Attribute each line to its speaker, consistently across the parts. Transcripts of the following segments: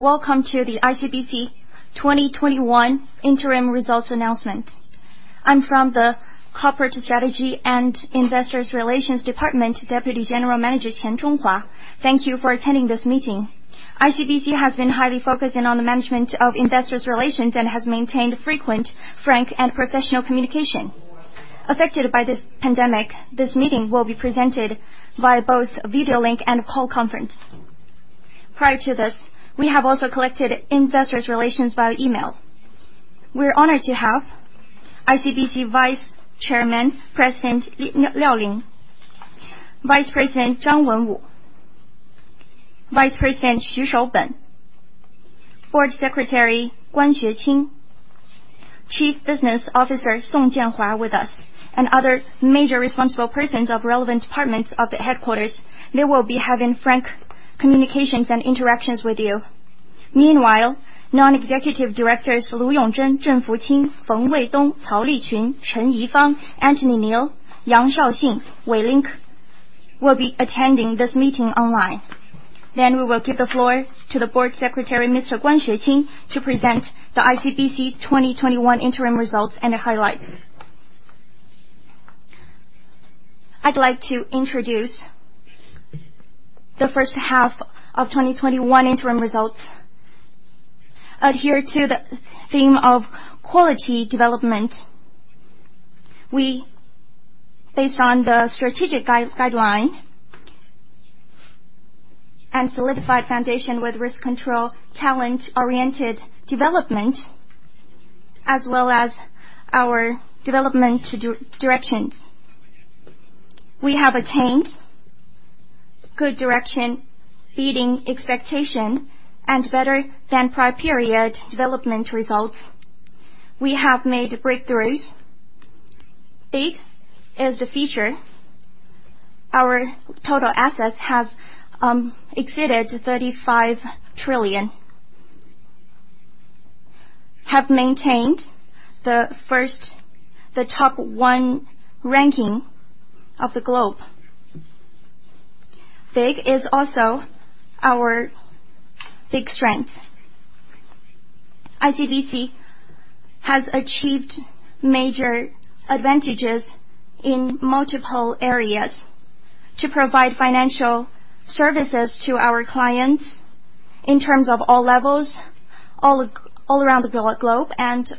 Speaker 1: Welcome to the ICBC 2021 Interim Results Announcement. I'm from the Corporate Strategy and Investor Relations Department, Deputy General Manager, Qian Zhonghua. Thank you for attending this meeting. ICBC has been highly focusing on the management of investor relations and has maintained frequent, frank, and professional communication. Affected by this pandemic, this meeting will be presented via both video link and call conference. Prior to this, we have also collected investor relations via email. We're honored to have ICBC Vice Chairman, President Liao Lin, Vice President Zhang Wenwu, Vice President Xu Shouben, Board Secretary Guan Xueqing, Chief Business Officer Song Jianhua with us, and other major responsible persons of relevant departments of the headquarters. They will be having frank communications and interactions with you. Meanwhile, non-executive directors Lu Yongzhen, Zheng Fuqing, Feng Weidong, Cao Liqun, Chen Yifang, Anthony Neoh, Yang Shaoxin, Wei Lin will be attending this meeting online. We will give the floor to the Board Secretary, Mr. Guan Xueqing, to present the ICBC 2021 interim results and the highlights.
Speaker 2: I'd like to introduce the first half of 2021 interim results. Adhere to the theme of quality development. We, based on the strategic guideline and solidified foundation with risk control, talent-oriented development, as well as our development directions, have attained good direction, beating expectation, and better than prior period development results. We have made breakthroughs. Big is the future. Our total assets has exceeded 35 trillion. Have maintained the top one ranking of the globe. Big is also our big strength. ICBC has achieved major advantages in multiple areas to provide financial services to our clients in terms of all levels, all around the globe, and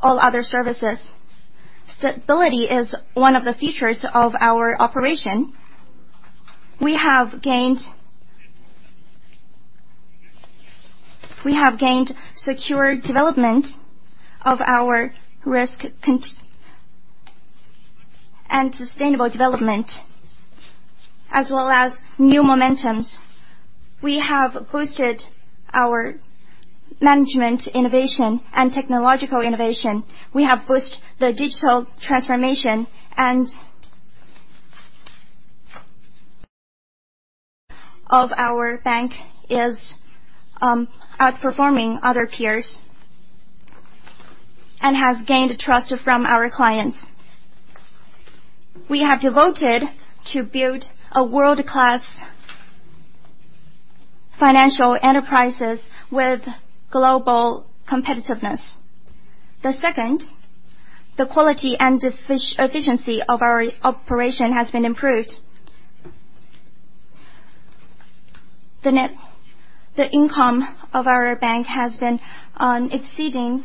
Speaker 2: all other services. Stability is one of the features of our operation. We have gained secure development of our risk and sustainable development, as well as new momentums. We have boosted our management innovation and technological innovation. We have boosted the digital transformation, and of our bank is outperforming other peers, and has gained trust from our clients. We have devoted to build a world-class financial enterprises with global competitiveness. The second, the quality and efficiency of our operation has been improved. The income of our bank has been on exceeding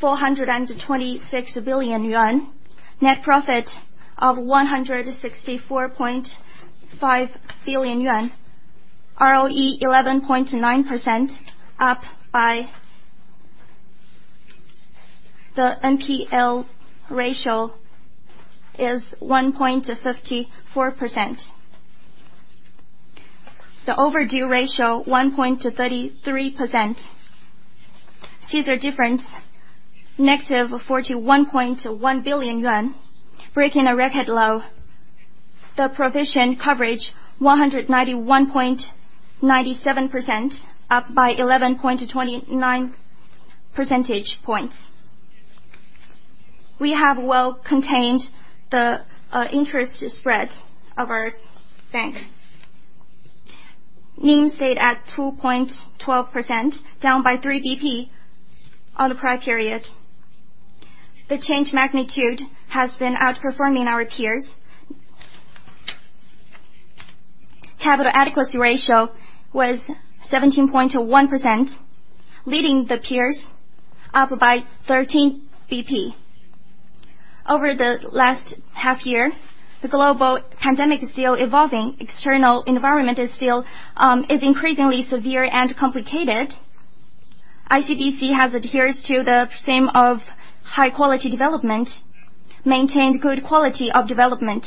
Speaker 2: 426 billion yuan, net profit of 164.5 billion yuan, ROE 11.9%, up by. The NPL ratio is 1.54%. The overdue ratio, 1.33%. See the difference, -41.1 billion yuan, breaking a record low. The provision coverage, 191.97%, up by 11.29 percentage points. We have well contained the interest spread of our bank. NIM stayed at 2.12%, down by 3 bp on the prior period. The change magnitude has been outperforming our peers. Capital adequacy ratio was 17.1%, leading the peers up by 13 bp Over the last half year, the global pandemic is still evolving. External environment is increasingly severe and complicated. ICBC has adheres to the theme of high-quality development, maintained good quality of development.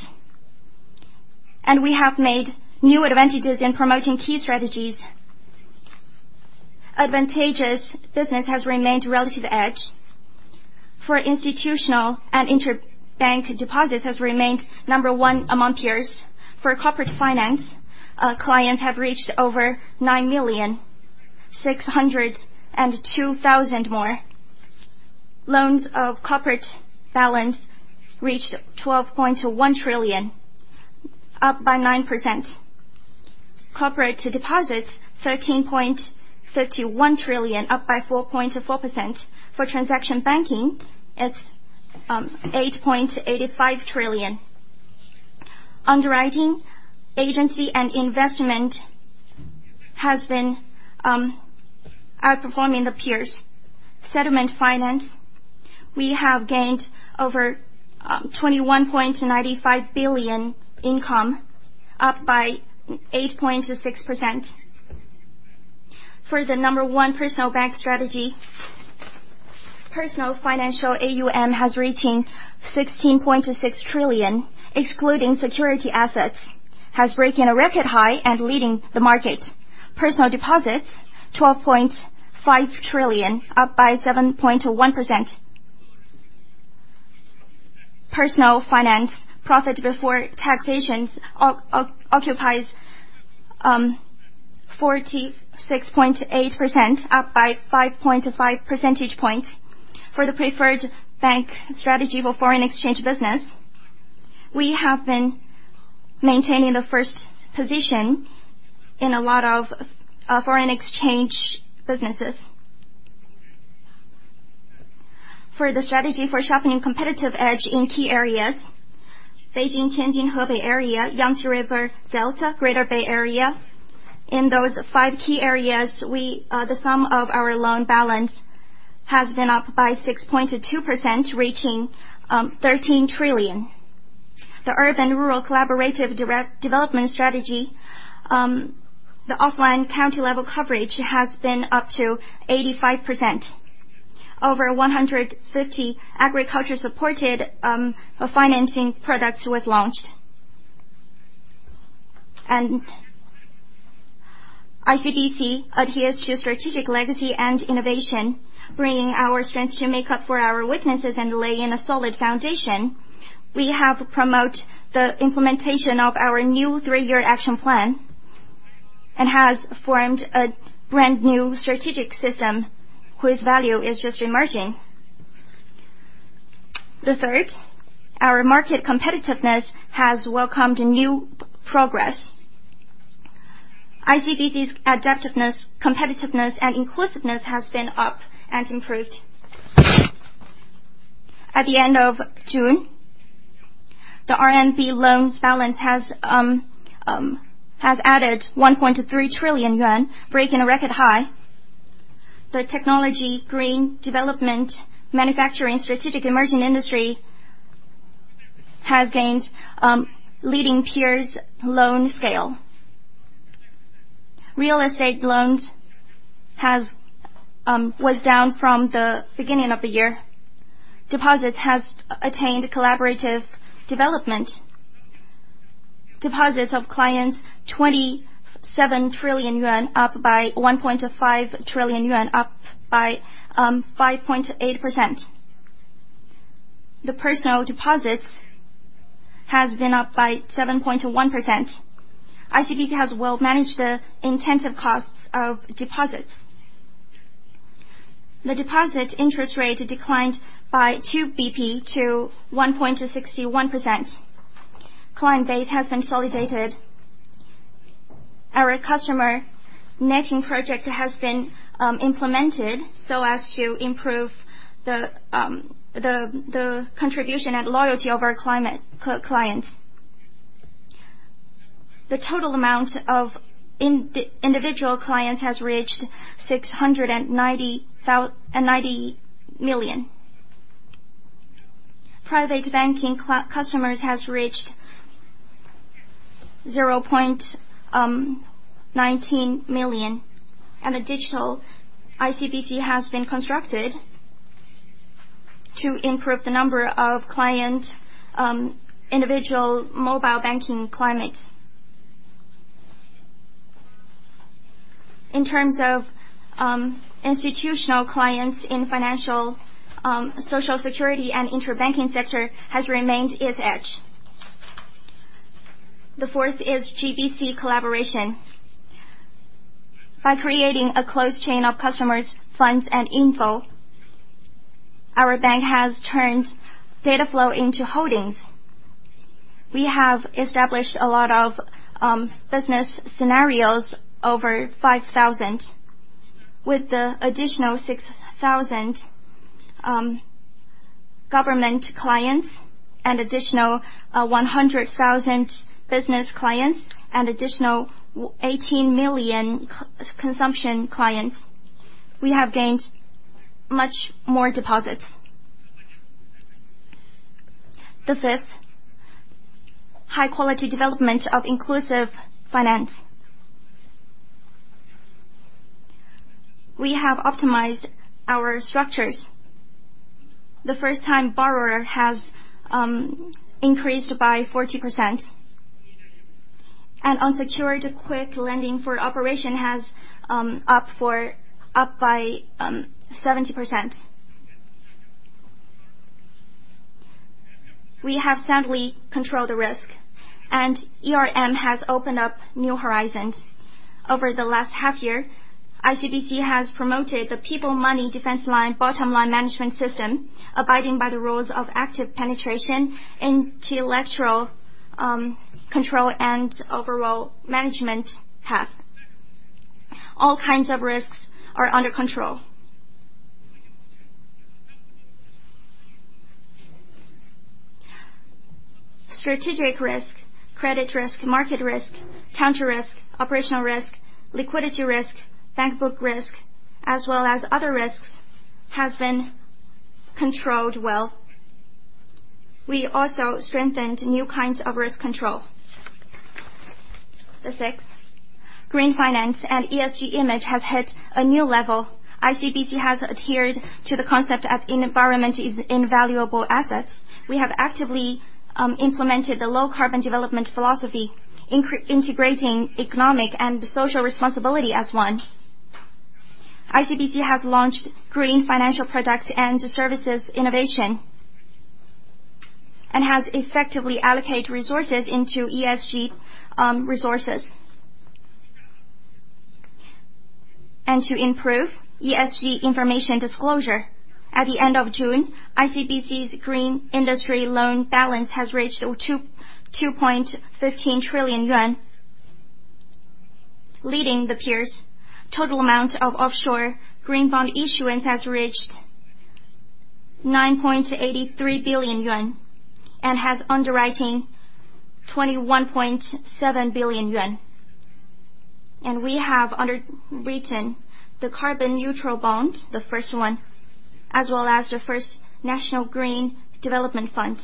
Speaker 2: We have made new advantages in promoting key strategies. Advantageous business has remained relative edge. For institutional and interbank deposits has remained number one among peers. For corporate finance, clients have reached over 9,602,000 more. Loans of corporate balance reached 12.1 trillion, up by 9%. Corporate deposits, 13.31 trillion, up by 4.4%. For transaction banking, it's 8.85 trillion. Underwriting agency and investment has been outperforming the peers. Settlement finance, we have gained over 21.95 billion income, up by 8.6%. For the number one personal bank strategy, personal financial AUM has reaching 16.6 trillion, excluding security assets, has broken a record high and leading the market. Personal deposits, 12.5 trillion, up by 7.1%. Personal finance profit before taxations occupies 46.8%, up by 5.5 percentage points. For the preferred bank strategy for foreign exchange business, we have been maintaining the first position in a lot of foreign exchange businesses. For the strategy for sharpening competitive edge in key areas, Beijing-Tianjin-Hebei area, Yangtze River Delta, Greater Bay Area. In those five key areas, the sum of our loan balance has been up by 6.2%, reaching 13 trillion. The urban-rural collaborative development strategy, the offline county level coverage has been up to 85%. Over 150 agriculture supported financing products was launched. ICBC adheres to strategic legacy and innovation, bringing our strengths to make up for our weaknesses and laying a solid foundation. We have promote the implementation of our new three-year action plan, and has formed a brand new strategic system whose value is just emerging. The third, our market competitiveness has welcomed new progress. ICBC's adaptiveness, competitiveness, and inclusiveness has been up and improved. At the end of June, the RMB loans balance has added 1.3 trillion yuan, breaking a record high. The technology, green development, manufacturing, strategic emerging industry has gained leading peers loan scale. Real estate loans was down from the beginning of the year. Deposits has attained collaborative development. Deposits of clients 27 trillion yuan, up by 1.5 trillion yuan, up by 5.8%. The personal deposits has been up by 7.1%. ICBC has well managed the intensive costs of deposits. The deposit interest rate declined by 2 bp to 1.61%. Client base has consolidated. Our customer netting project has been implemented so as to improve the contribution and loyalty of our clients. The total amount of individual clients has reached 690 million. Private banking customers has reached 0.19 million, and a cloud ICBC has been constructed to improve the number of client individual mobile banking clients. In terms of institutional clients in financial, social security, and interbanking sector, has remained its edge. The fourth is GBC collaboration. By creating a close chain of customers, funds, and info, our bank has turned data flow into holdings. We have established a lot of business scenarios, over 5,000. With the additional 6,000 government clients and additional 100,000 business clients and additional 18 million consumption clients, we have gained much more deposits. The fifth, high quality development of inclusive finance. We have optimized our structures. The first time borrower has increased by 40%, and unsecured quick lending for operation has up by 70%. We have soundly controlled the risk, and ERM has opened up new horizons. Over the last half year, ICBC has promoted the people money defense line bottom line management system, abiding by the rules of active penetration, intellectual control, and overall management path. All kinds of risks are under control. Strategic risk, credit risk, market risk, counter risk, operational risk, liquidity risk, bank book risk, as well as other risks, has been controlled well. We also strengthened new kinds of risk control. The sixth, green finance and ESG image has hit a new level. ICBC has adhered to the concept of environment is invaluable assets. We have actively implemented the low carbon development philosophy, integrating economic and social responsibility as one. ICBC has launched green financial product and services innovation, and has effectively allocated resources into ESG resources. To improve ESG information disclosure. At the end of June, ICBC's green industry loan balance has reached 2.15 trillion yuan, leading the peers. Total amount of offshore green bond issuance has reached 9.83 billion yuan, and has underwriting 21.7 billion yuan. We have underwritten the carbon neutral bonds, the first one, as well as the first national green development fund.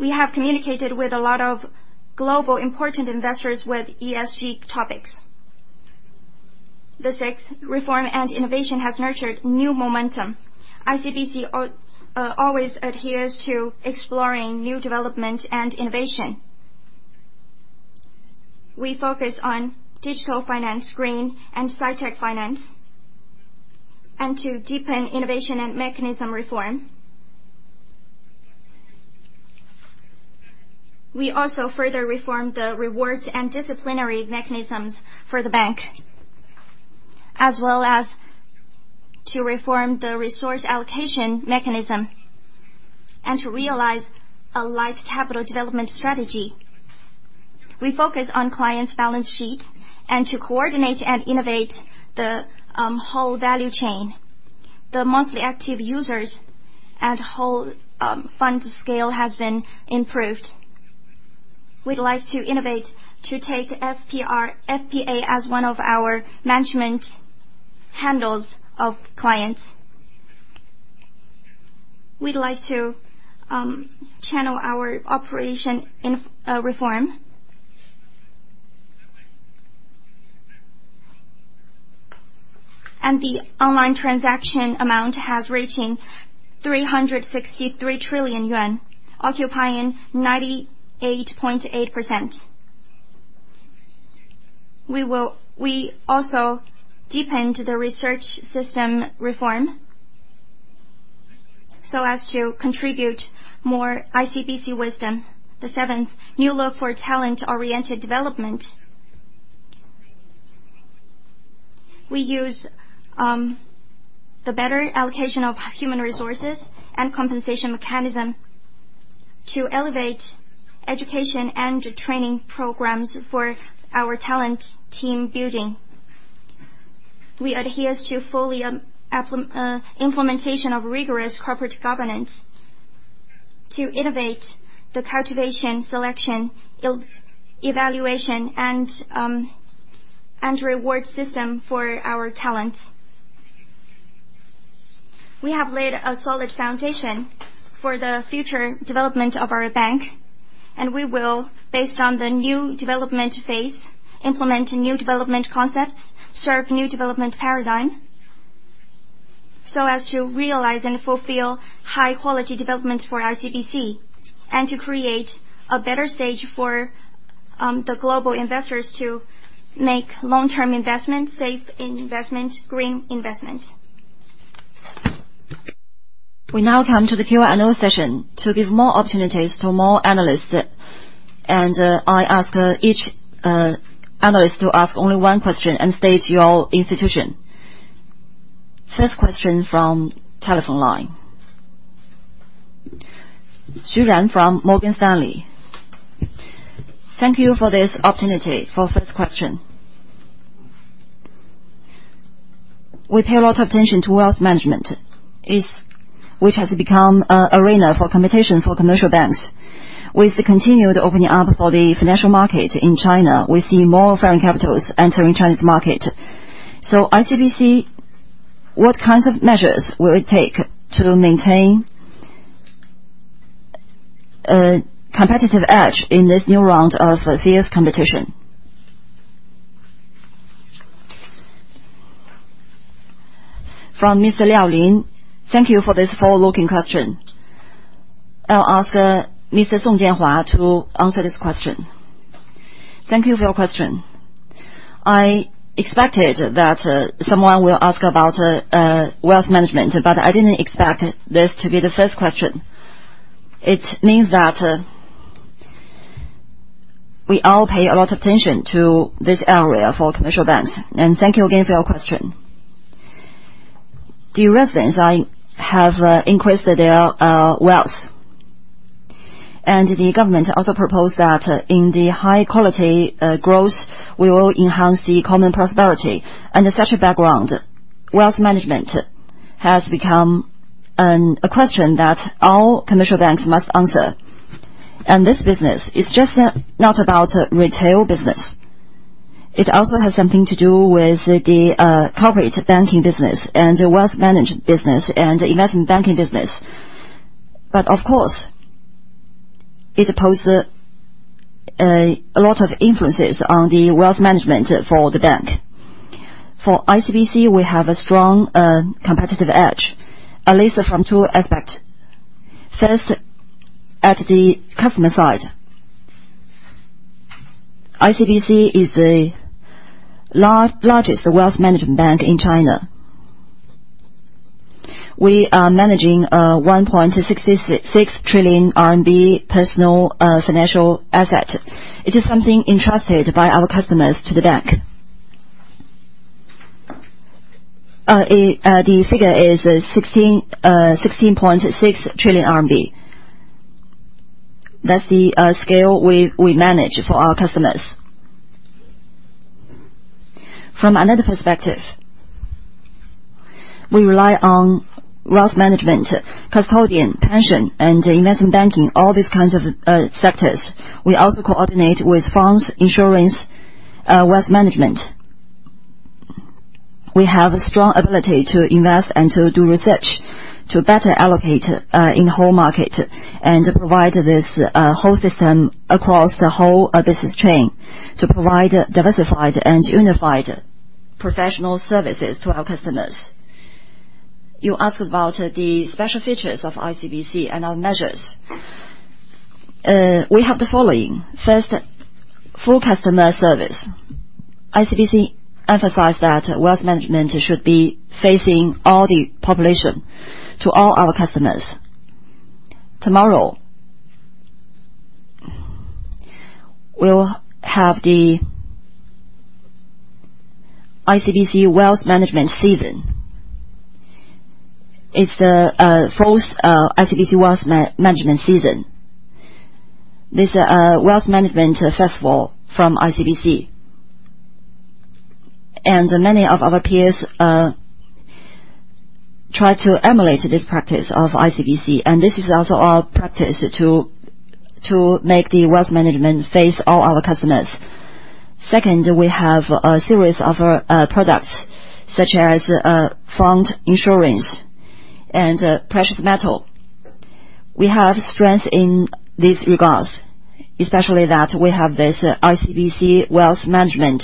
Speaker 2: We have communicated with a lot of global important investors with ESG topics. The sixth, reform and innovation has nurtured new momentum. ICBC always adheres to exploring new development and innovation. We focus on digital finance, green and SciTech finance, and to deepen innovation and mechanism reform. We also further reform the rewards and disciplinary mechanisms for the bank, as well as to reform the resource allocation mechanism, and to realize a light capital development strategy. We focus on clients' balance sheet and to coordinate and innovate the whole value chain. The monthly active users and whole fund scale has been improved. We'd like to innovate to take FPA as one of our management handles of clients. We'd like to channel our operation reform. The online transaction amount has reaching 363 trillion yuan, occupying 98.8%. We also deepened the research system reform, so as to contribute more ICBC wisdom. The seventh, new look for talent-oriented development. We use the better allocation of human resources and compensation mechanism to elevate education and training programs for our talent team building. We adheres to fully implementation of rigorous corporate governance to innovate the cultivation, selection, evaluation, and reward system for our talent. We have laid a solid foundation for the future development of our bank, and we will, based on the new development phase, implement new development concepts, serve new development paradigm, so as to realize and fulfill high quality development for ICBC, and to create a better stage for the global investors to make long-term investment, safe investment, green investment.
Speaker 1: We now come to the Q&A session to give more opportunities to more analysts. I ask each analyst to ask only one question and state your institution. First question from telephone line. Zhou Ran from Morgan Stanley.
Speaker 3: Thank you for this opportunity for first question. We pay a lot of attention to wealth management, which has become a arena for competition for commercial banks. With the continued opening up for the financial market in China, we see more foreign capitals entering Chinese market. ICBC, what kinds of measures will it take to maintain a competitive edge in this new round of fierce competition?
Speaker 4: From Mr. Liao Lin. Thank you for this forward-looking question. I'll ask Mr. Song Jianhua to answer this question.
Speaker 5: Thank you for your question. I expected that someone will ask about wealth management, but I didn't expect this to be the first question. It means that we all pay a lot of attention to this area for commercial banks. Thank you again for your question. The residents have increased their wealth. The government also proposed that in the high quality growth, we will enhance the common prosperity. Under such a background, wealth management has become a question that all commercial banks must answer. This business is just not about retail business. It also has something to do with the corporate banking business and wealth management business and investment banking business. Of course, it poses a lot of influences on the wealth management for the bank. For ICBC, we have a strong competitive edge, at least from two aspects. First, at the customer side. ICBC is the largest wealth management bank in China. We are managing 1.66 trillion RMB personal financial asset. It is something entrusted by our customers to the bank. The figure is CNY 16.6 trillion. That's the scale we manage for our customers. From another perspective, we rely on wealth management, custodian, pension, and investment banking, all these kinds of sectors. We also coordinate with funds, insurance, wealth management. We have a strong ability to invest and to do research to better allocate in whole market, and provide this whole system across the whole business chain to provide diversified and unified professional services to our customers. You asked about the special features of ICBC and our measures. We have the following. First, full customer service. ICBC emphasize that wealth management should be facing all the population to all our customers. Tomorrow, we'll have the ICBC wealth management season. It's the fourth ICBC wealth management season, this wealth management festival from ICBC. Many of our peers try to emulate this practice of ICBC, and this is also our practice to make the wealth management face all our customers. Second, we have a series of products such as fund insurance and precious metal. We have strength in these regards, especially that we have this ICBC Wealth Management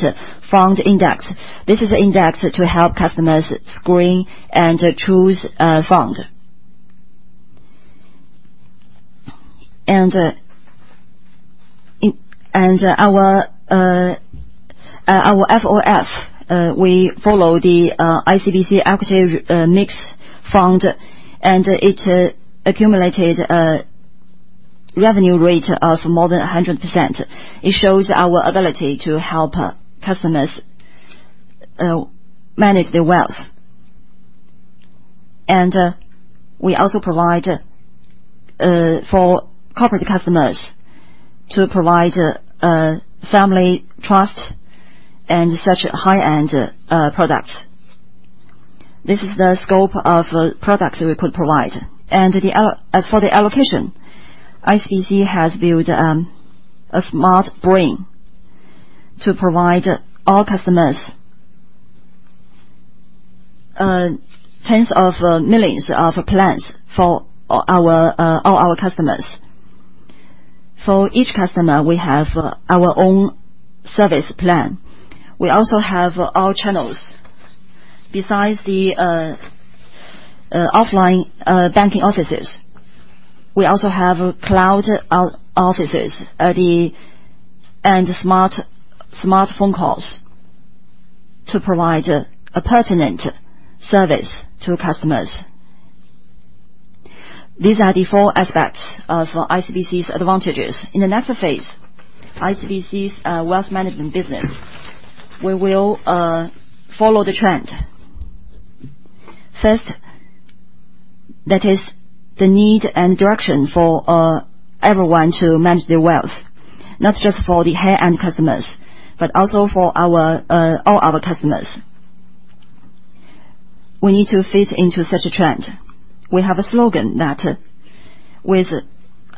Speaker 5: Fund Index. This is an index to help customers screen and choose a fund. Our FOF, we follow the ICBC active mix fund, and it accumulated a revenue rate of more than 100%. It shows our ability to help customers manage their wealth. We also provide for corporate customers to provide family trust and such high-end products. This is the scope of products we could provide. As for the allocation, ICBC has built a smart brain to provide all customers tens of millions of plans for all our customers. For each customer, we have our own service plan. We also have our channels. Besides the offline banking offices, we also have cloud offices and smartphone calls to provide a pertinent service to customers. These are the four aspects of ICBC's advantages. In the next phase, ICBC's wealth management business, we will follow the trend. First, that is the need and direction for everyone to manage their wealth, not just for the high-end customers, but also for all our customers. We need to fit into such a trend. We have a slogan that with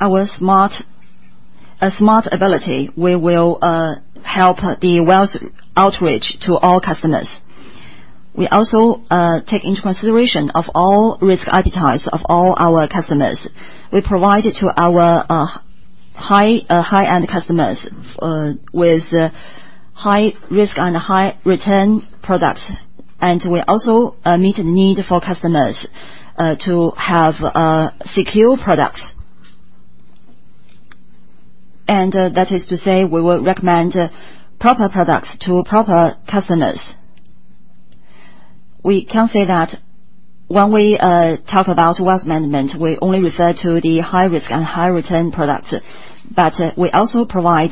Speaker 5: our smart ability, we will help the wealth outreach to all customers. We also take into consideration of all risk appetites of all our customers. We provide it to our high-end customers high risk and high return products. We also meet need for customers to have secure products. That is to say, we will recommend proper products to proper customers. We can say that when we talk about wealth management, we only refer to the high risk and high return products. We also provide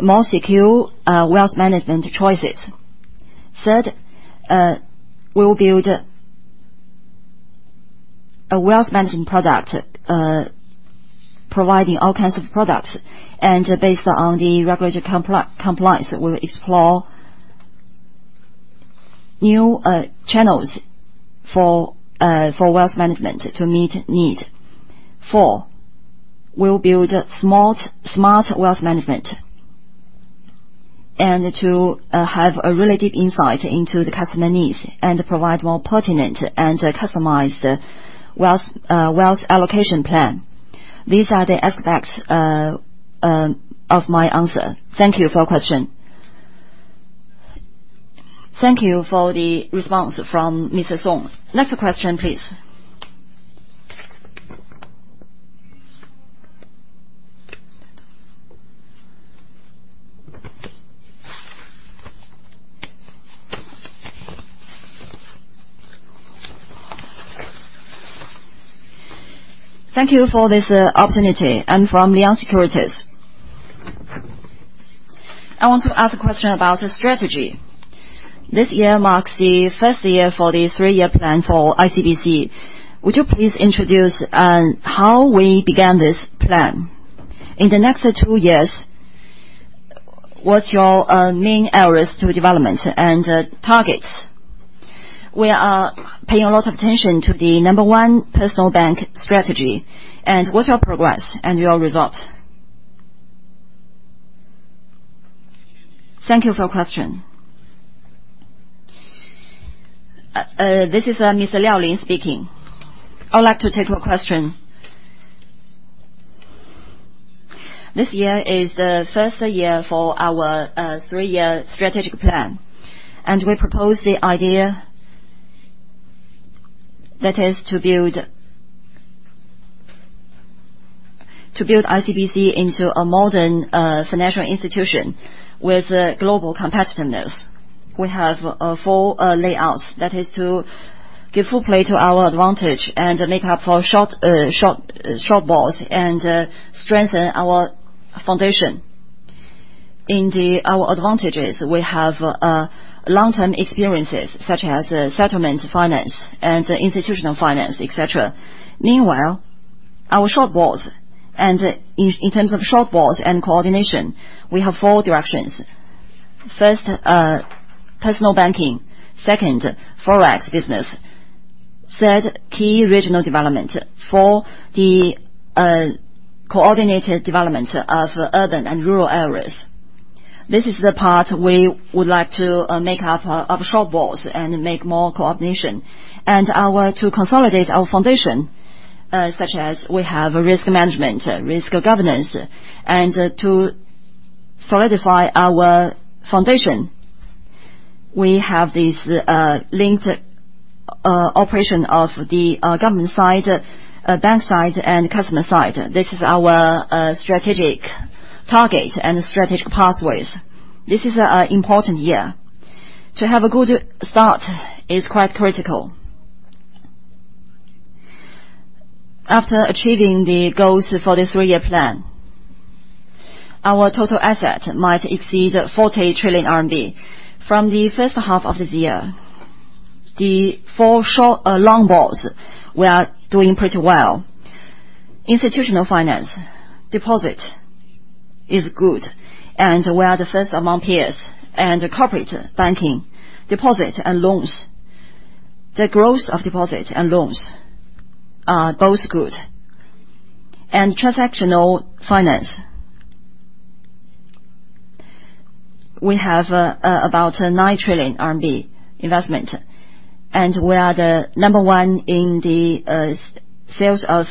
Speaker 5: more secure wealth management choices. Third, we will build a wealth management product, providing all kinds of products, and based on the regulatory compliance, we will explore new channels for wealth management to meet need. Four, we will build smart wealth management, and to have a relative insight into the customer needs, and provide more pertinent and customized wealth allocation plan. These are the aspects of my answer. Thank you for your question.
Speaker 1: Thank you for the response from Mr. Song. Next question, please.
Speaker 6: Thank you for this opportunity. I'm from Liang Securities. I want to ask a question about the strategy. This year marks the first year for the three-year plan for ICBC. Would you please introduce how we began this plan? In the next two years, what's your main areas to development and targets? We are paying a lot of attention to the number one personal bank strategy. What's your progress and your result?
Speaker 4: Thank you for your question. This is Ms. Liao Lin speaking. I would like to take your question. This year is the first year for our three-year strategic plan. We propose the idea, that is to build ICBC into a modern financial institution with global competitiveness. We have four layouts. That is to give full play to our advantage and make up for shortfalls and strengthen our foundation. In our advantages, we have long-term experiences, such as settlement finance and institutional finance, et cetera. Meanwhile, our shortfalls, and in terms of shortfalls and coordination, we have four directions. First, personal banking. Second, Forex business. Third, key regional development. Four, the coordinated development of urban and rural areas. This is the part we would like to make up our shortfalls and make more coordination. To consolidate our foundation, such as we have risk management, risk governance, and to solidify our foundation. We have this linked operation of the government side, bank side, and customer side. This is our strategic target and strategic pathways. This is an important year. To have a good start is quite critical. After achieving the goals for this three-year plan, our total asset might exceed 40 trillion RMB. From the first half of this year, the four long boards were doing pretty well. Institutional finance deposit is good, and we are the first among peers. Corporate banking deposit and loans. The growth of deposit and loans are both good. Transactional finance, we have about 9 trillion RMB investment, and we are the number one in the sales of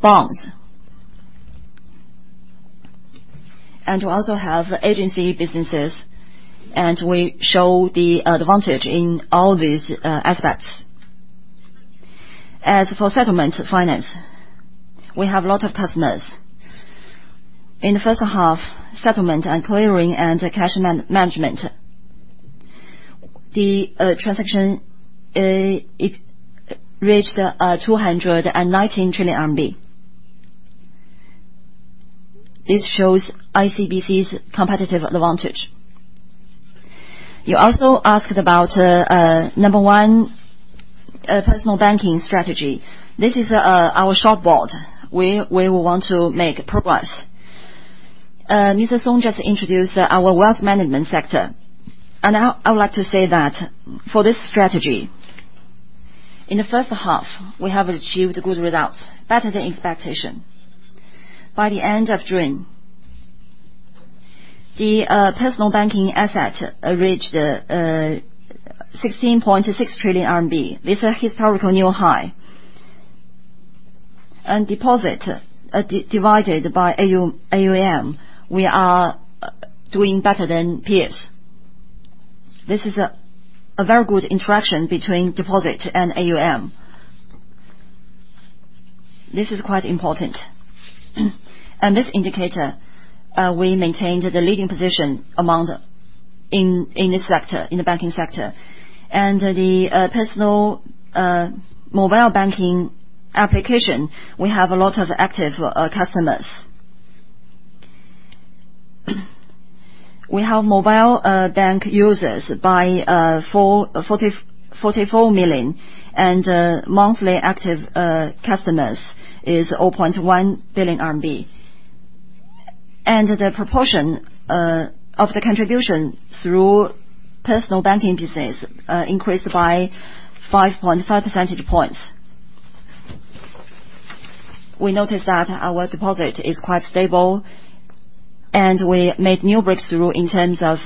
Speaker 4: bonds. We also have agency businesses, and we show the advantage in all these aspects. As for settlement finance, we have a lot of customers. In the first half, settlement and clearing and cash management, the transaction, it reached CNY 219 trillion. This shows ICBC's competitive advantage. You also asked about number one personal banking strategy. This is our short board. We want to make progress. Mr. Song just introduced our wealth management sector. I would like to say that for this strategy, in the first half, we have achieved good results better than expectation. By the end of June, the personal banking asset reached 16.6 trillion RMB. This is a historical new high. Deposit divided by AUM, we are doing better than peers. This is a very good interaction between deposit and AUM. This is quite important. This indicator, we maintained the leading position in the banking sector. The personal mobile banking application, we have a lot of active customers. We have mobile bank users by 44 million, and monthly active customers is CNY 0.1 billion. The proportion of the contribution through personal banking business increased by 5.5 percentage points. We noticed that our deposit is quite stable, and we made new breakthrough in terms of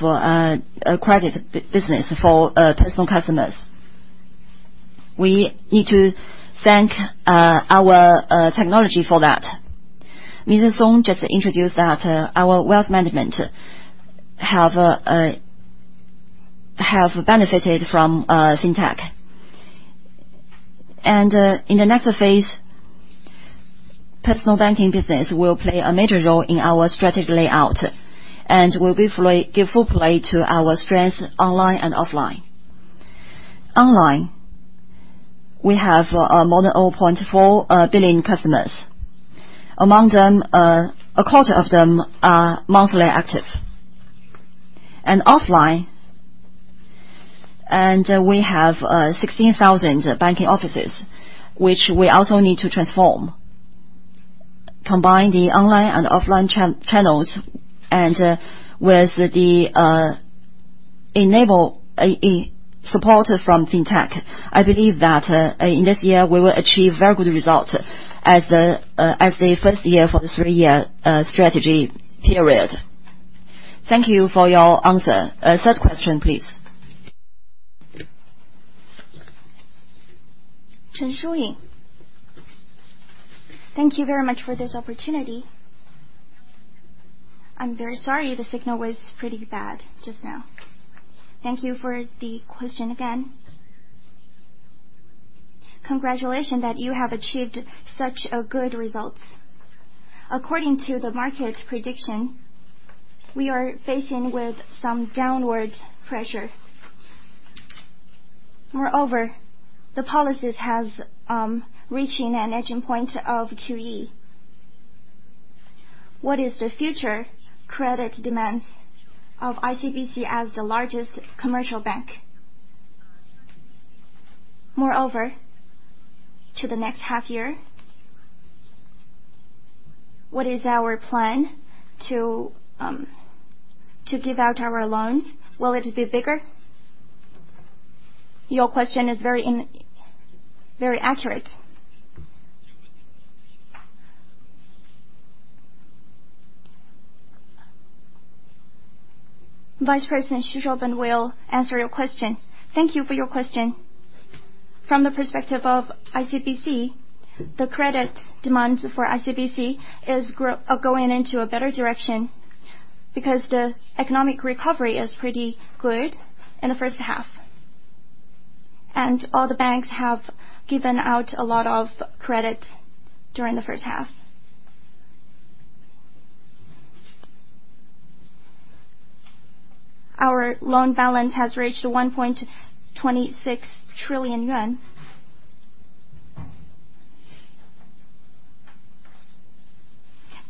Speaker 4: credit business for personal customers. We need to thank our technology for that. Mr. Song just introduced that our wealth management have benefited from FinTech. In the next phase, personal banking business will play a major role in our strategic layout and will give full play to our strengths online and offline. Online, we have more than 0.4 billion customers. Among them, a quarter of them are monthly active. Offline, we have 16,000 banking offices, which we also need to transform. Combine the online and offline channels and with the enable support from FinTech, I believe that in this year we will achieve very good results as the first year for the three-year strategy period.
Speaker 1: Thank you for your answer. Third question, please.
Speaker 7: Chen Siqing. Thank you very much for this opportunity. I'm very sorry, the signal was pretty bad just now. Thank you for the question again. Congratulations that you have achieved such a good results. According to the market prediction, we are facing with some downward pressure. The policies has reaching a turning point of QE. What is the future credit demands of ICBC as the largest commercial bank? To the next half year, what is our plan to give out our loans? Will it be bigger?
Speaker 4: Your question is very accurate. Vice President Xu Shouben will answer your question.
Speaker 8: Thank you for your question. From the perspective of ICBC, the credit demands for ICBC is going into a better direction because the economic recovery is pretty good in the first half. All the banks have given out a lot of credit during the first half. Our loan balance has reached 1.26 trillion yuan.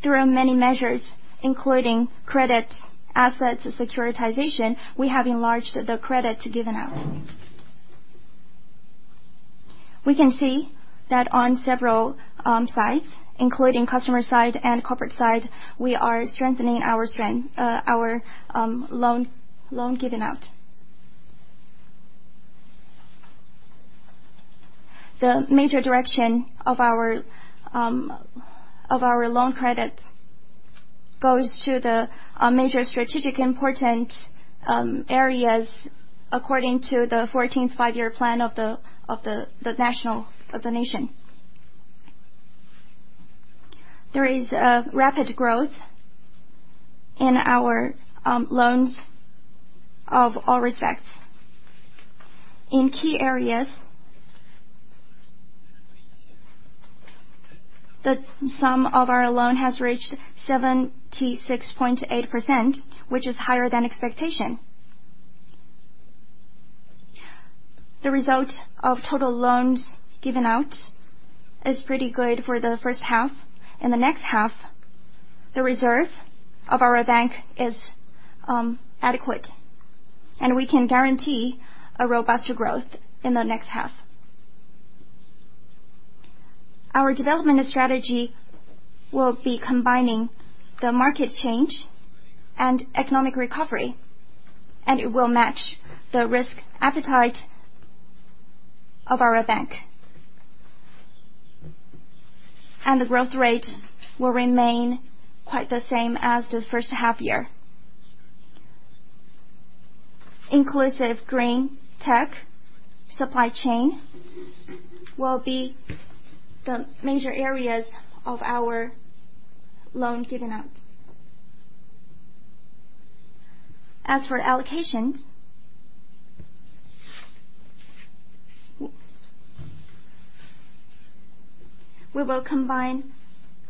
Speaker 8: Through many measures, including credit assets securitization, we have enlarged the credit given out. We can see that on several sides, including customer side and corporate side, we are strengthening our loan given out. The major direction of our loan credit goes to the major strategic important areas according to the 14th Five-Year Plan of the nation. There is a rapid growth in our loans of all respects. In key areas, the sum of our loan has reached 76.8%, which is higher than expectation. The result of total loans given out is pretty good for the first half and the next half. The reserve of our bank is adequate, and we can guarantee a robust growth in the next half. Our development strategy will be combining the market change and economic recovery, and it will match the risk appetite of our bank. The growth rate will remain quite the same as the first half year. Inclusive green tech supply chain will be the major areas of our loan given out. As for allocations, we will combine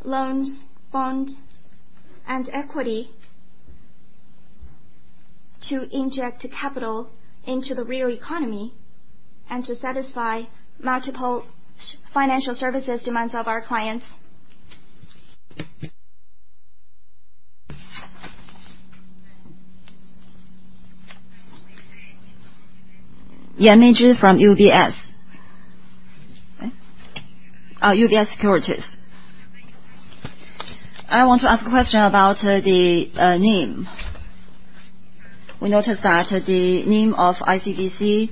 Speaker 8: loans, bonds, and equity to inject capital into the real economy and to satisfy multiple financial services demands of our clients.
Speaker 1: Yan Meizhi from UBS. UBS Securities.
Speaker 9: I want to ask a question about the NIM. We noticed that the NIM of ICBC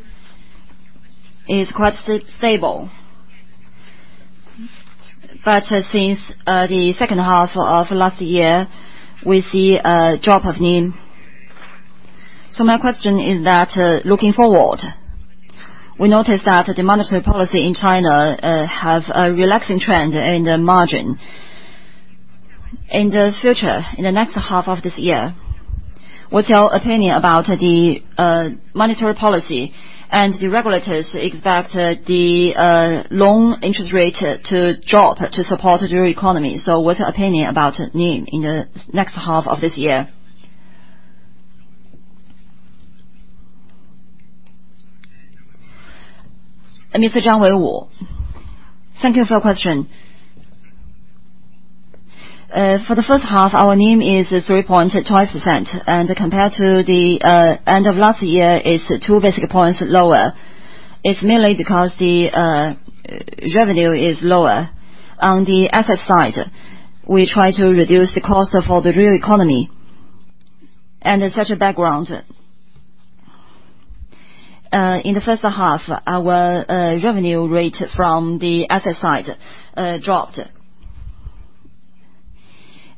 Speaker 9: is quite stable. Since the second half of last year, we see a drop of NIM. My question is that, looking forward, we noticed that the monetary policy in China have a relaxing trend in the margin. In the future, in the next half of this year, what's your opinion about the monetary policy, the regulators expect the loan interest rate to drop to support your economy. What's your opinion about NIM in the next half of this year?
Speaker 4: Mr. Zhang Wenwu.
Speaker 10: Thank you for your question. For the first half, our NIM is 3.12%, and compared to the end of last year, it's 2 basic points lower. It's merely because the revenue is lower. On the asset side, we try to reduce the cost of the real economy. As such a background, in the first half, our revenue rate from the asset side dropped.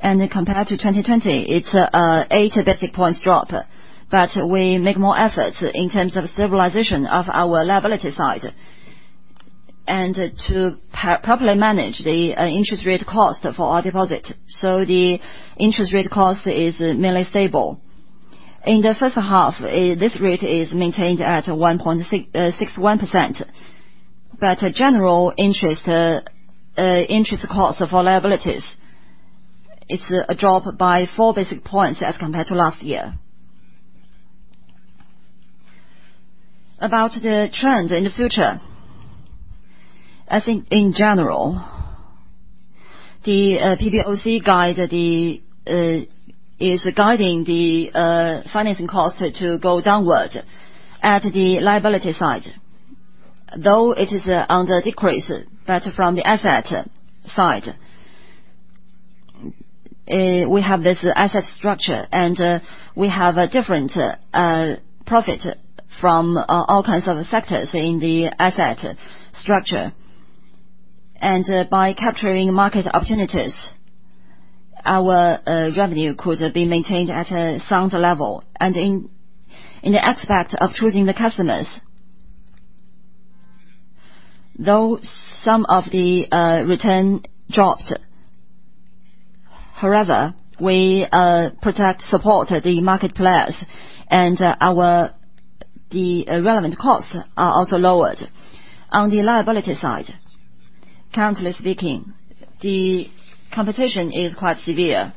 Speaker 10: Compared to 2020, it's a 80 basic points drop. We make more efforts in terms of optimization of our liability side and to properly manage the interest rate cost for our deposit. The interest rate cost is merely stable. In the first half, this rate is maintained at 1.61%, but general interest cost of our liabilities, it's a drop by 4 basic points as compared to last year. About the trend in the future, I think in general, the PBOC is guiding the financing cost to go downward at the liability side, though it is on the decrease. From the asset side, we have this asset structure, and we have a different profit from all kinds of sectors in the asset structure. By capturing market opportunities, our revenue could be maintained at a sound level. In the aspect of choosing the customers, though some of the return dropped, however, we protect, support the market players, and the relevant costs are also lowered. On the liability side, currently speaking, the competition is quite severe.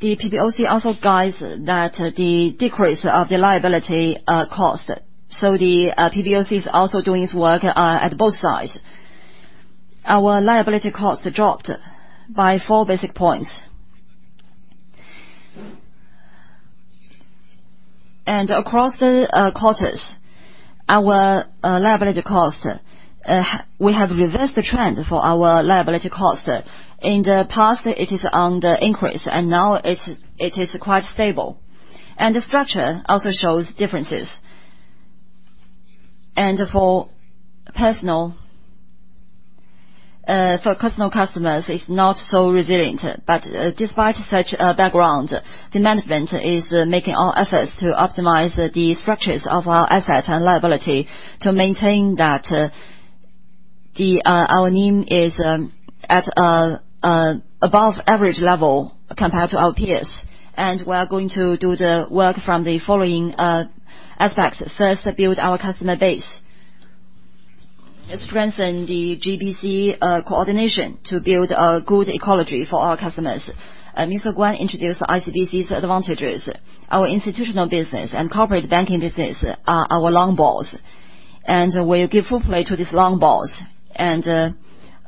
Speaker 10: The PBOC also guides that the decrease of the liability cost, so the PBOC is also doing its work at both sides. Our liability costs dropped by 4 basis points. Across the quarters, our liability cost, we have reversed the trend for our liability cost. In the past, it is on the increase, and now it is quite stable. The structure also shows differences. For personal customers, it's not so resilient. Despite such a background, the management is making all efforts to optimize the structures of our asset and liability to maintain that our NIM is at above average level compared to our peers. We are going to do the work from the following aspects. First, build our customer base, strengthen the GBC coordination to build a good ecology for our customers. Mr. Guan introduced ICBC's advantages. Our institutional business and corporate banking business are our long balls. We give full play to these long balls.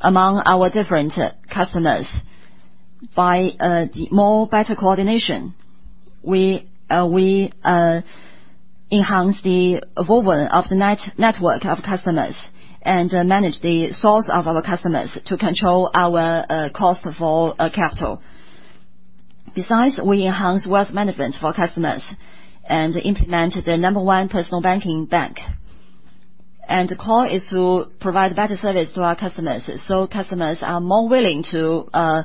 Speaker 10: Among our different customers, by better coordination, we enhance the woven of the network of customers and manage the source of our customers to control our cost for capital. Besides, we enhance wealth management for customers and implement the number one personal banking bank. The core is to provide better service to our customers, so customers are more willing to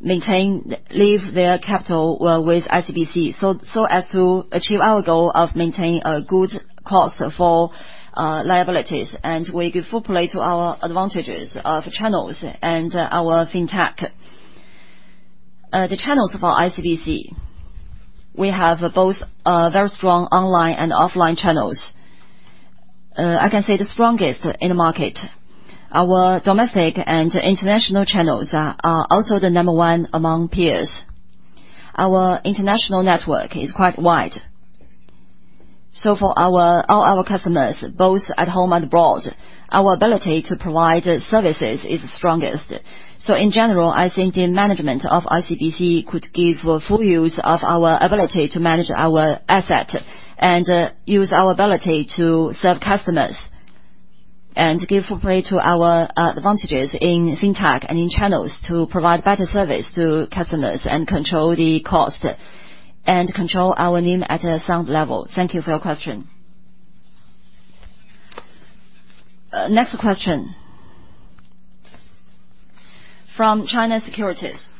Speaker 10: maintain, leave their capital with ICBC so as to achieve our goal of maintaining a good cost for liabilities, and we could full play to our advantages of channels and our FinTech. The channels for ICBC. We have both a very strong online and offline channels. I can say the strongest in the market. Our domestic and international channels are also the number one among peers. Our international network is quite wide. For all our customers, both at home and abroad, our ability to provide services is the strongest. In general, I think the management of ICBC could give full use of our ability to manage our asset, and use our ability to serve customers, and give full play to our advantages in FinTech and in channels to provide better service to customers, and control the cost, and control our NIM at a sound level.
Speaker 1: Thank you for your question. Next question from China Securities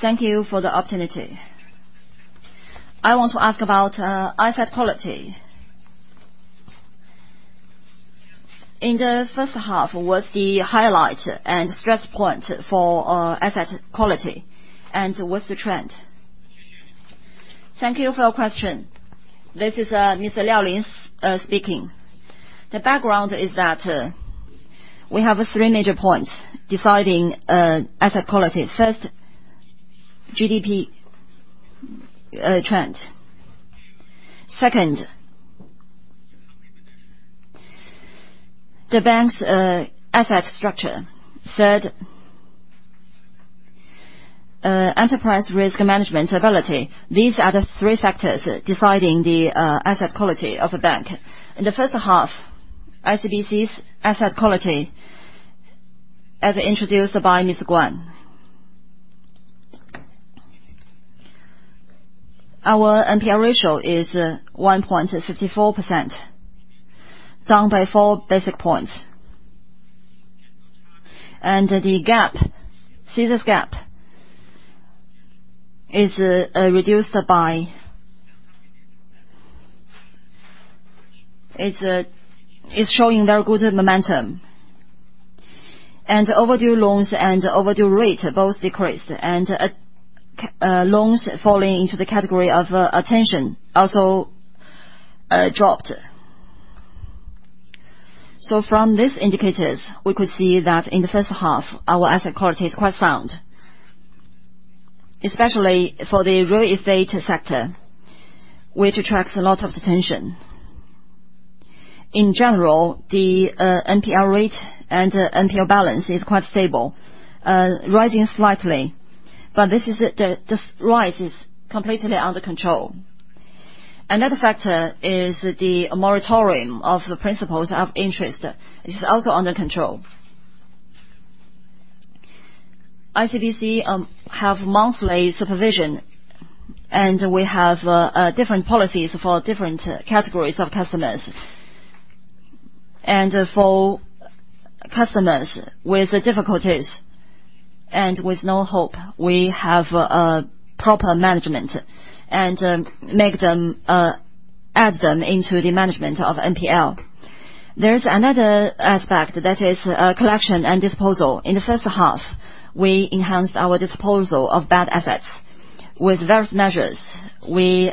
Speaker 11: Thank you for the opportunity. I want to ask about asset quality. In the first half, what's the highlight and stress point for asset quality, and what's the trend?
Speaker 4: Thank you for your question. This is Ms. Liao Lin speaking. The background is that we have three major points deciding asset quality. First, GDP trend. Second, the bank's asset structure. Third, enterprise risk management ability. These are the three factors deciding the asset quality of a bank. In the first half, ICBC's asset quality, as introduced by Guan Xueqing. Our NPL ratio is 1.54%, down by 4 basic points. The gap, scissor gap. It's showing very good momentum. Overdue loans and overdue rate both decreased, and loans falling into the category of attention also dropped. From these indicators, we could see that in the first half, our asset quality is quite sound, especially for the real estate sector, which attracts a lot of attention. In general, the NPL rate and NPL balance is quite stable. Rising slightly, but this rise is completely under control. Another factor is the moratorium of the principals of interest is also under control. ICBC have monthly supervision, and we have different policies for different categories of customers. For customers with difficulties and with no hope, we have proper management and add them into the management of NPL. There's another aspect that is collection and disposal. In the first half, we enhanced our disposal of bad assets. With various measures, we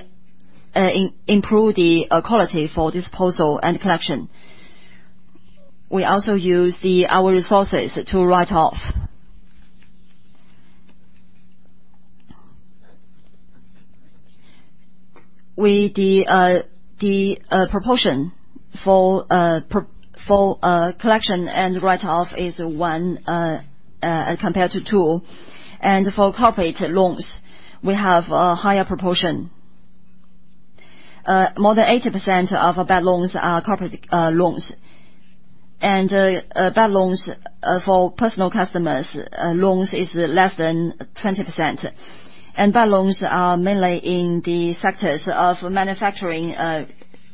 Speaker 4: improved the quality for disposal and collection. We also use our resources to write off. The proportion for collection and write off is 1 compared to 2, and for corporate loans, we have a higher proportion. More than 80% of bad loans are corporate loans. Bad loans for personal customer loans is less than 20%. Bad loans are mainly in the sectors of manufacturing,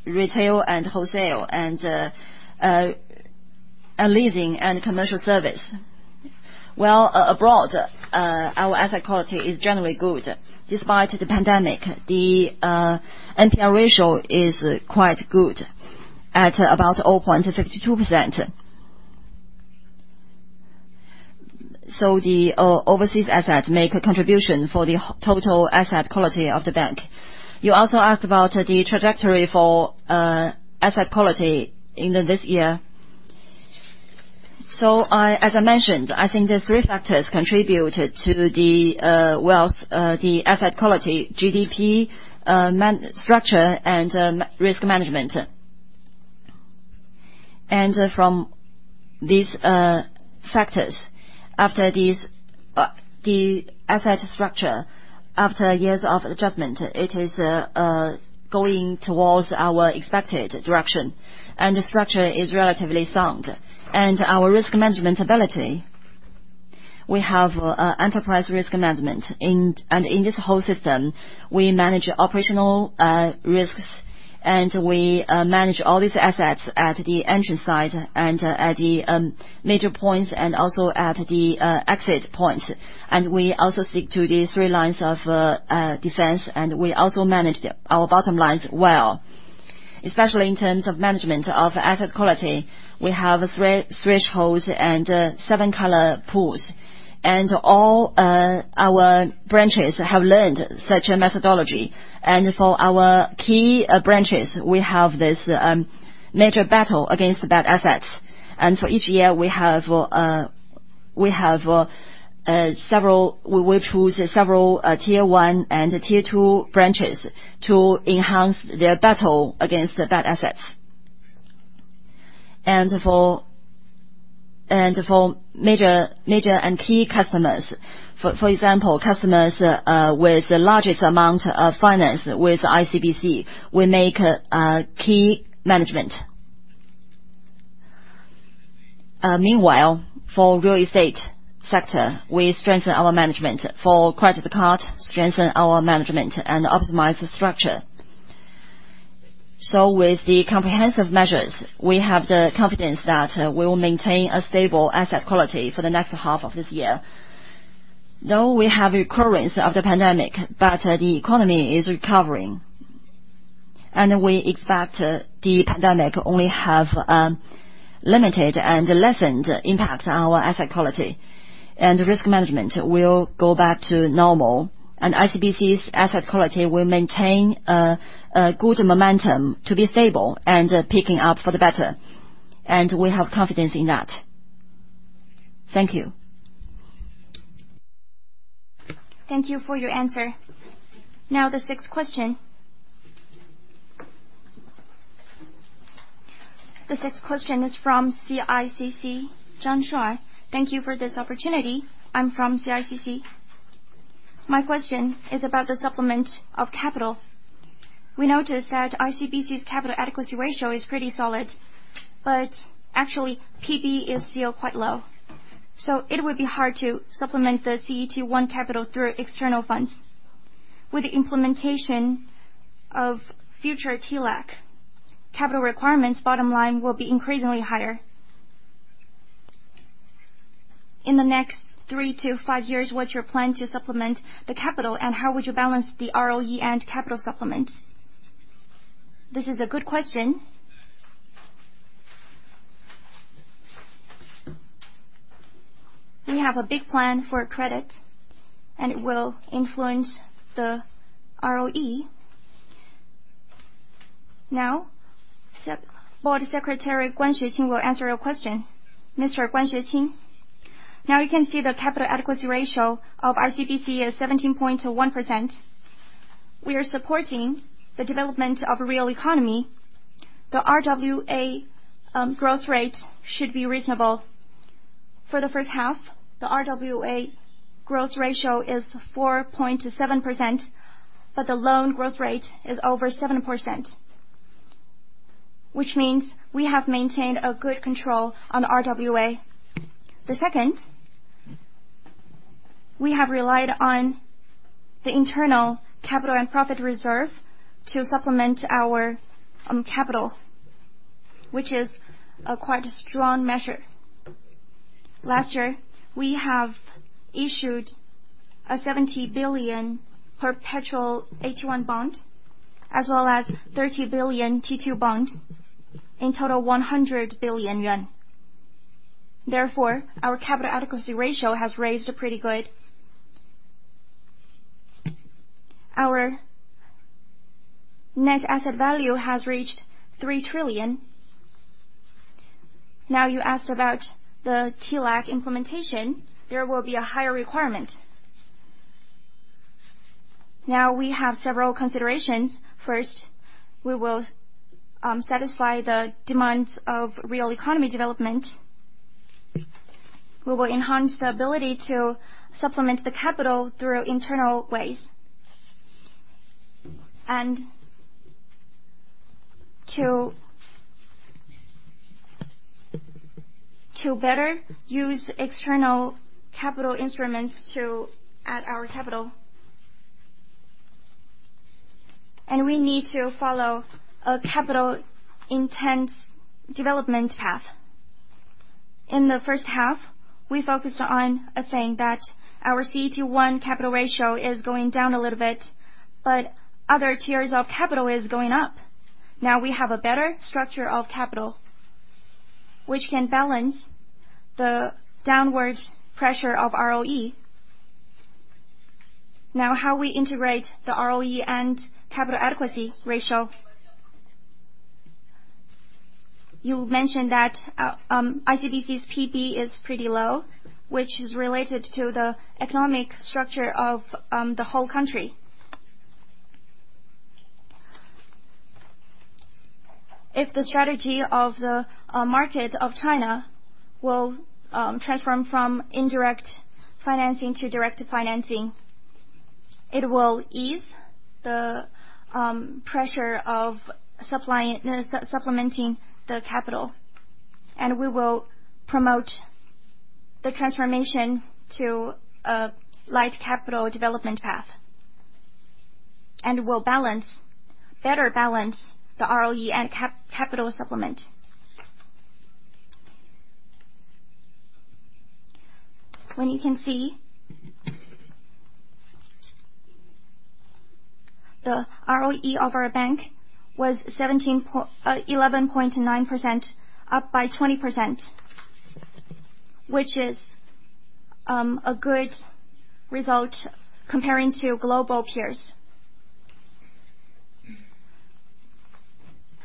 Speaker 4: retail and wholesale, and leasing and commercial service. While abroad, our asset quality is generally good. Despite the pandemic, the NPL ratio is quite good at about 0.62%. The overseas assets make a contribution for the total asset quality of the Bank. You also asked about the trajectory for asset quality in this year. As I mentioned, I think there's three factors contributed to the asset quality, GDP, structure and risk management. From these factors, after the asset structure, after years of adjustment, it is going towards our expected direction, and the structure is relatively sound. Our risk management ability. We have enterprise risk management. In this whole system, we manage operational risks, and we manage all these assets at the entry side and at the major points and also at the exit points. We also stick to the three lines of defense, and we also manage our bottom lines well. Especially in terms of management of asset quality, we have thresholds and Seven-color Pools. All our branches have learned such a methodology. For our key branches, we have this major battle against bad assets. For each year, we will choose several tier 1 and tier 2 branches to enhance their battle against the bad assets. For major and key customers, for example, customers with the largest amount of finance with ICBC, we make a key management. Meanwhile, for real estate sector, we strengthen our management. For credit card, strengthen our management and optimize the structure. With the comprehensive measures, we have the confidence that we will maintain a stable asset quality for the next half of this year. Though we have recurrence of the pandemic, but the economy is recovering. We expect the pandemic only have limited and lessened impact on our asset quality. Risk management will go back to normal. ICBC's asset quality will maintain a good momentum to be stable and picking up for the better. We have confidence in that. Thank you.
Speaker 1: Thank you for your answer. The sixth question. The sixth question is from CICC, Geng Shuai.
Speaker 12: Thank you for this opportunity. I'm from CICC. My question is about the supplement of capital. We noticed that ICBC's capital adequacy ratio is pretty solid, actually PB is still quite low. It would be hard to supplement the CET1 capital through external funds. With the implementation of future TLAC, capital requirements bottom line will be increasingly higher. In the next three to five years, what's your plan to supplement the capital, and how would you balance the ROE and capital supplement?
Speaker 4: This is a good question. We have a big plan for credit, and it will influence the ROE. Board Secretary Guan Xueqing will answer your question. Mr. Guan Xueqing.
Speaker 2: You can see the capital adequacy ratio of ICBC is 17.1%. We are supporting the development of real economy. The RWA growth rate should be reasonable. For the first half, the RWA growth ratio is 4.7%, but the loan growth rate is over 7%, which means we have maintained a good control on the RWA. The second, we have relied on the internal capital and profit reserve to supplement our capital, which is a quite strong measure. Last year, we have issued a 70 billion perpetual AT1 bond, as well as 30 billion T2 bonds, in total 100 billion yuan. Our capital adequacy ratio has raised pretty good. Our net asset value has reached 3 trillion. You asked about the TLAC implementation. There will be a higher requirement. We have several considerations. First, we will satisfy the demands of real economy development. We will enhance the ability to supplement the capital through internal ways. To better use external capital instruments to add our capital. We need to follow a capital-intensive development path. In the first half, we focused on a thing that our CET1 capital ratio is going down a little bit, but other tiers of capital are going up. We have a better structure of capital, which can balance the downwards pressure of ROE. How we integrate the ROE and capital adequacy ratio? You mentioned that ICBC's PB is pretty low, which is related to the economic structure of the whole country. If the strategy of the market of China will transform from indirect financing to direct financing. It will ease the pressure of supplementing the capital, and we will promote the transformation to a light capital development path. We'll better balance the ROE and capital supplement. When you can see, the ROE of our bank was 11.9%, up by 20%, which is a good result comparing to global peers.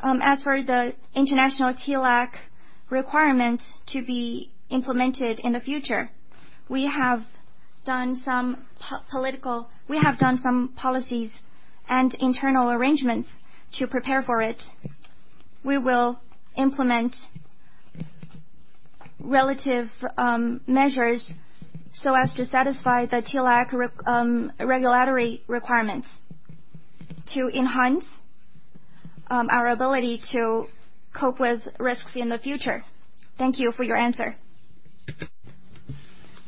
Speaker 2: As for the international TLAC requirement to be implemented in the future, we have done some policies and internal arrangements to prepare for it. We will implement relative measures so as to satisfy the TLAC regulatory requirements to enhance our ability to cope with risks in the future.
Speaker 1: Thank you for your answer.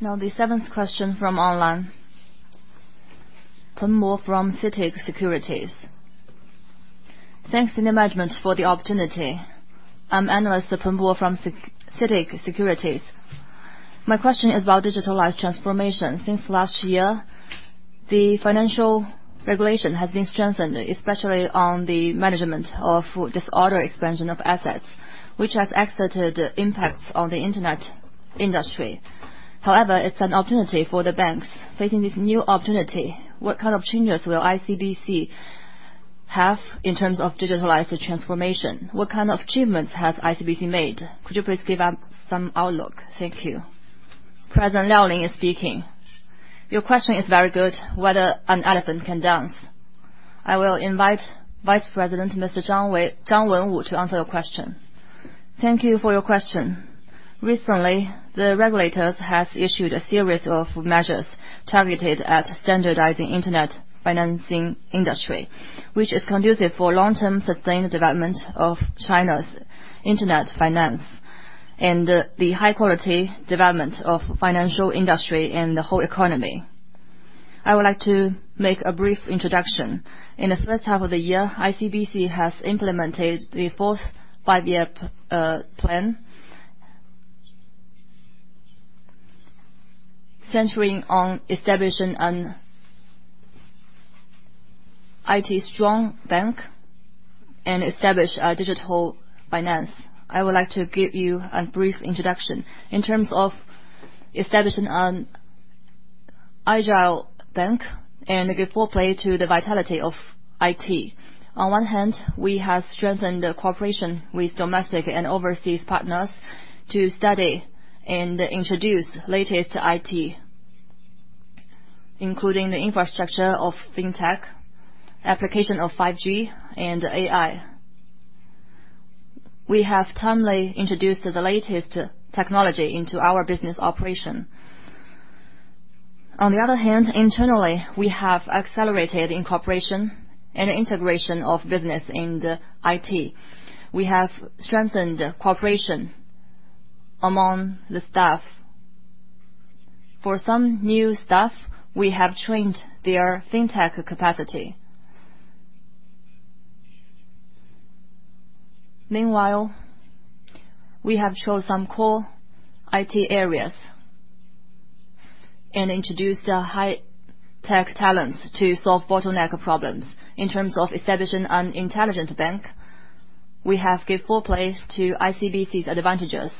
Speaker 1: Now the seventh question from online. Peng Mo from CITIC Securities.
Speaker 13: Thanks to the management for the opportunity. I'm analyst Peng Mo from CITIC Securities. My question is about digitalized transformation. Since last year, the financial regulation has been strengthened, especially on the management of disorder expansion of assets, which has exerted impacts on the internet industry. However, it's an opportunity for the banks. Facing this new opportunity, what kind of changes will ICBC have in terms of digitalized transformation? What kind of achievements has ICBC made? Could you please give us some outlook? Thank you.
Speaker 4: President Liao Lin is speaking. Your question is very good, whether an elephant can dance. I will invite Vice President, Mr. Zhang Wenwu to answer your question.
Speaker 10: Thank you for your question. Recently, the regulators has issued a series of measures targeted at standardizing internet financing industry, which is conducive for long-term sustained development of China's internet finance and the high quality development of financial industry and the whole economy. I would like to make a brief introduction. In the first half of the year, ICBC has implemented the 14th Five-Year Plan, centering on establishing an IT strong bank and establish a digital finance. I would like to give you a brief introduction. In terms of establishing an agile bank and give full play to the vitality of IT. On one hand, we have strengthened the cooperation with domestic and overseas partners to study and introduce latest IT, including the infrastructure of FinTech, application of 5G and AI. We have timely introduced the latest technology into our business operation. On the other hand, internally, we have accelerated incorporation and integration of business in the IT. We have strengthened cooperation among the staff. For some new staff, we have trained their FinTech capacity. Meanwhile, we have chose some core IT areas and introduced high-tech talents to solve bottleneck problems. In terms of establishing an intelligent bank, we have give full place to ICBC's advantages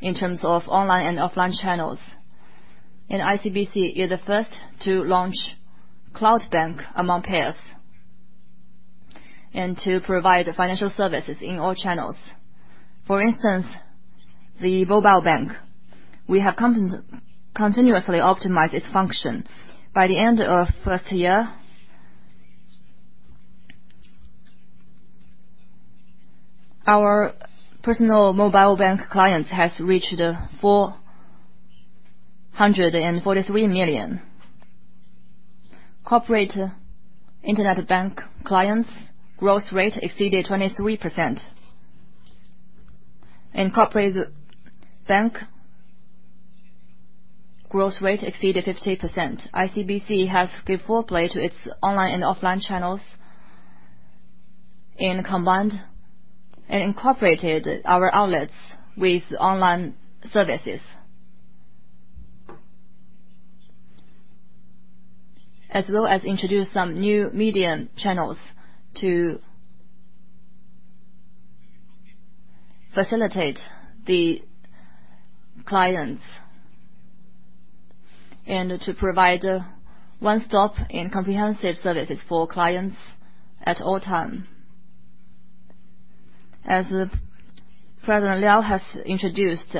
Speaker 10: in terms of online and offline channels. ICBC is the first to launch cloud bank among peers and to provide financial services in all channels. For instance, the mobile bank. We have continuously optimized its function. By the end of first year, our personal mobile bank clients has reached 443 million. Corporate internet bank clients growth rate exceeded 23%, and corporate bank growth rate exceeded 50%. ICBC has give full play to its online and offline channels in combined and incorporated our outlets with online services. Introduced some new medium channels to facilitate the clients and to provide one-stop and comprehensive services for clients at all time. As President Liao has introduced,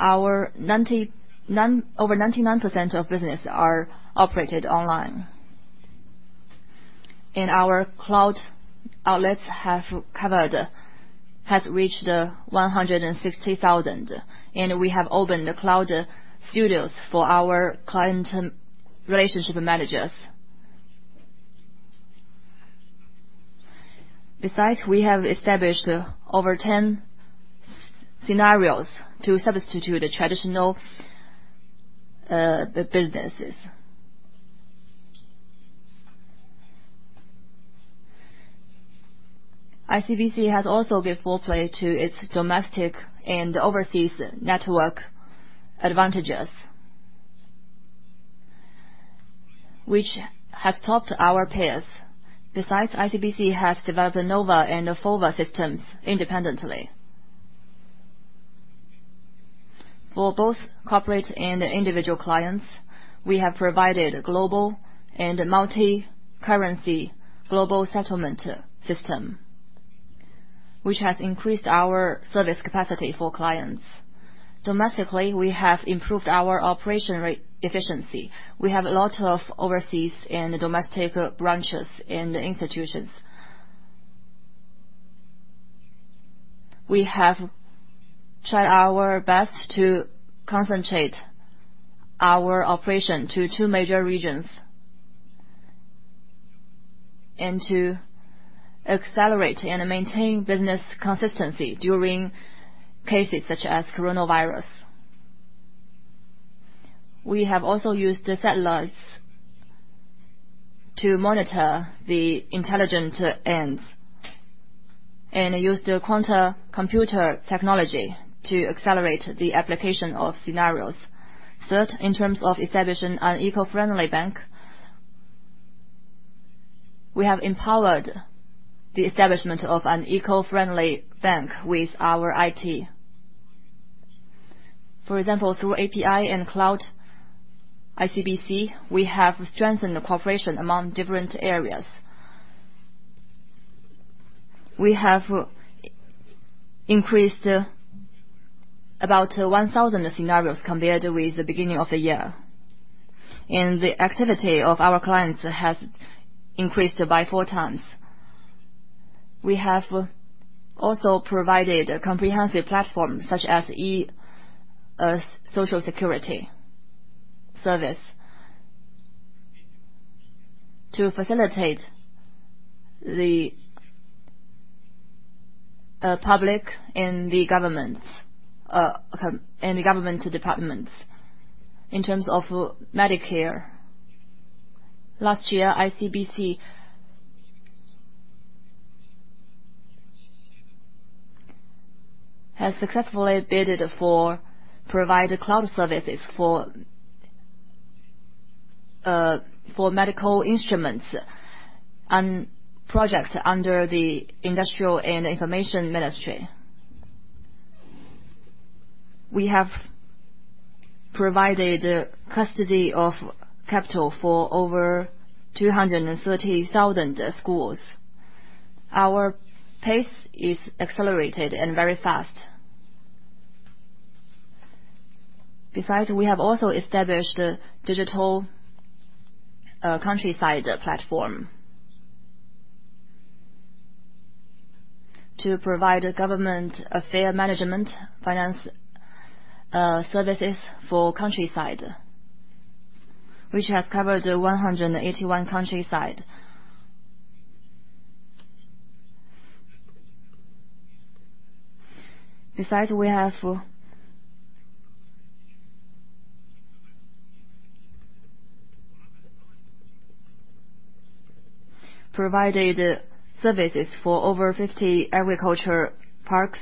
Speaker 10: over 99% of business are operated online. Our cloud outlets have covered has reached 160,000, and we have opened cloud studios for our client relationship managers. Besides, we have established over 10 scenarios to substitute traditional businesses. ICBC has also give full play to its domestic and overseas network advantages, which has topped our peers. Besides, ICBC has developed NOVA and FOVA systems independently. For both corporate and individual clients, we have provided global and multi-currency global settlement system, which has increased our service capacity for clients. Domestically, we have improved our operation rate efficiency. We have a lot of overseas and domestic branches and institutions. We have tried our best to concentrate our operation to two major regions, to accelerate and maintain business consistency during cases such as coronavirus. We have also used the satellites to monitor the intelligent ends, and used the quantum computer technology to accelerate the application of scenarios. Third, in terms of establishing an eco-friendly bank, we have empowered the establishment of an eco-friendly bank with our IT. For example, through API and cloud ICBC, we have strengthened the cooperation among different areas. We have increased about 1,000 scenarios compared with the beginning of the year. The activity of our clients has increased by four times. We have also provided a comprehensive platform such as e-Social Security service to facilitate the public and the government departments in terms of Medicare. Last year, ICBC has successfully bidded for provided cloud services for medical instruments on projects under the Ministry of Industry and Information Technology. We have provided custody of capital for over 230,000 schools. Our pace is accelerated and very fast. We have also established a digital countryside platform to provide government affair management finance services for countryside, which has covered 181 countryside. We have provided services for over 50 agriculture parks.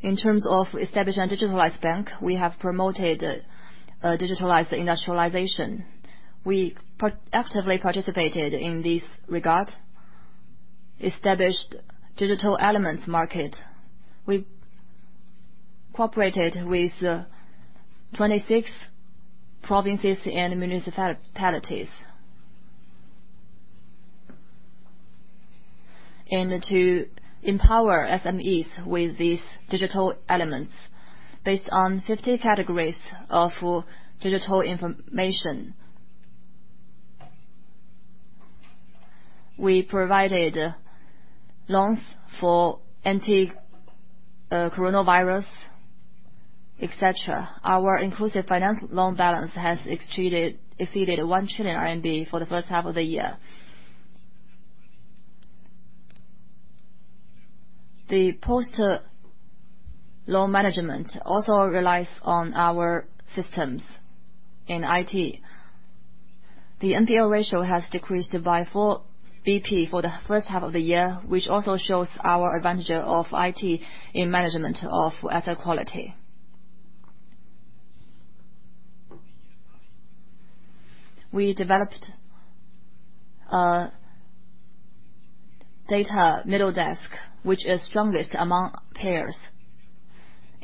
Speaker 10: In terms of establishing a digitalized bank, we have promoted digitalized industrialization. We actively participated in this regard, established digital elements market. We cooperated with 26 provinces and municipalities. To empower SMEs with these digital elements based on 50 categories of digital information. We provided loans for anti-coronavirus, et cetera. Our inclusive finance loan balance has exceeded 1 trillion RMB for the first half of the year. The post loan management also relies on our systems and IT. The NPL ratio has decreased by 4 bp for the first half of the year, which also shows our advantage of IT in management of asset quality. We developed a data middle desk, which is strongest among peers,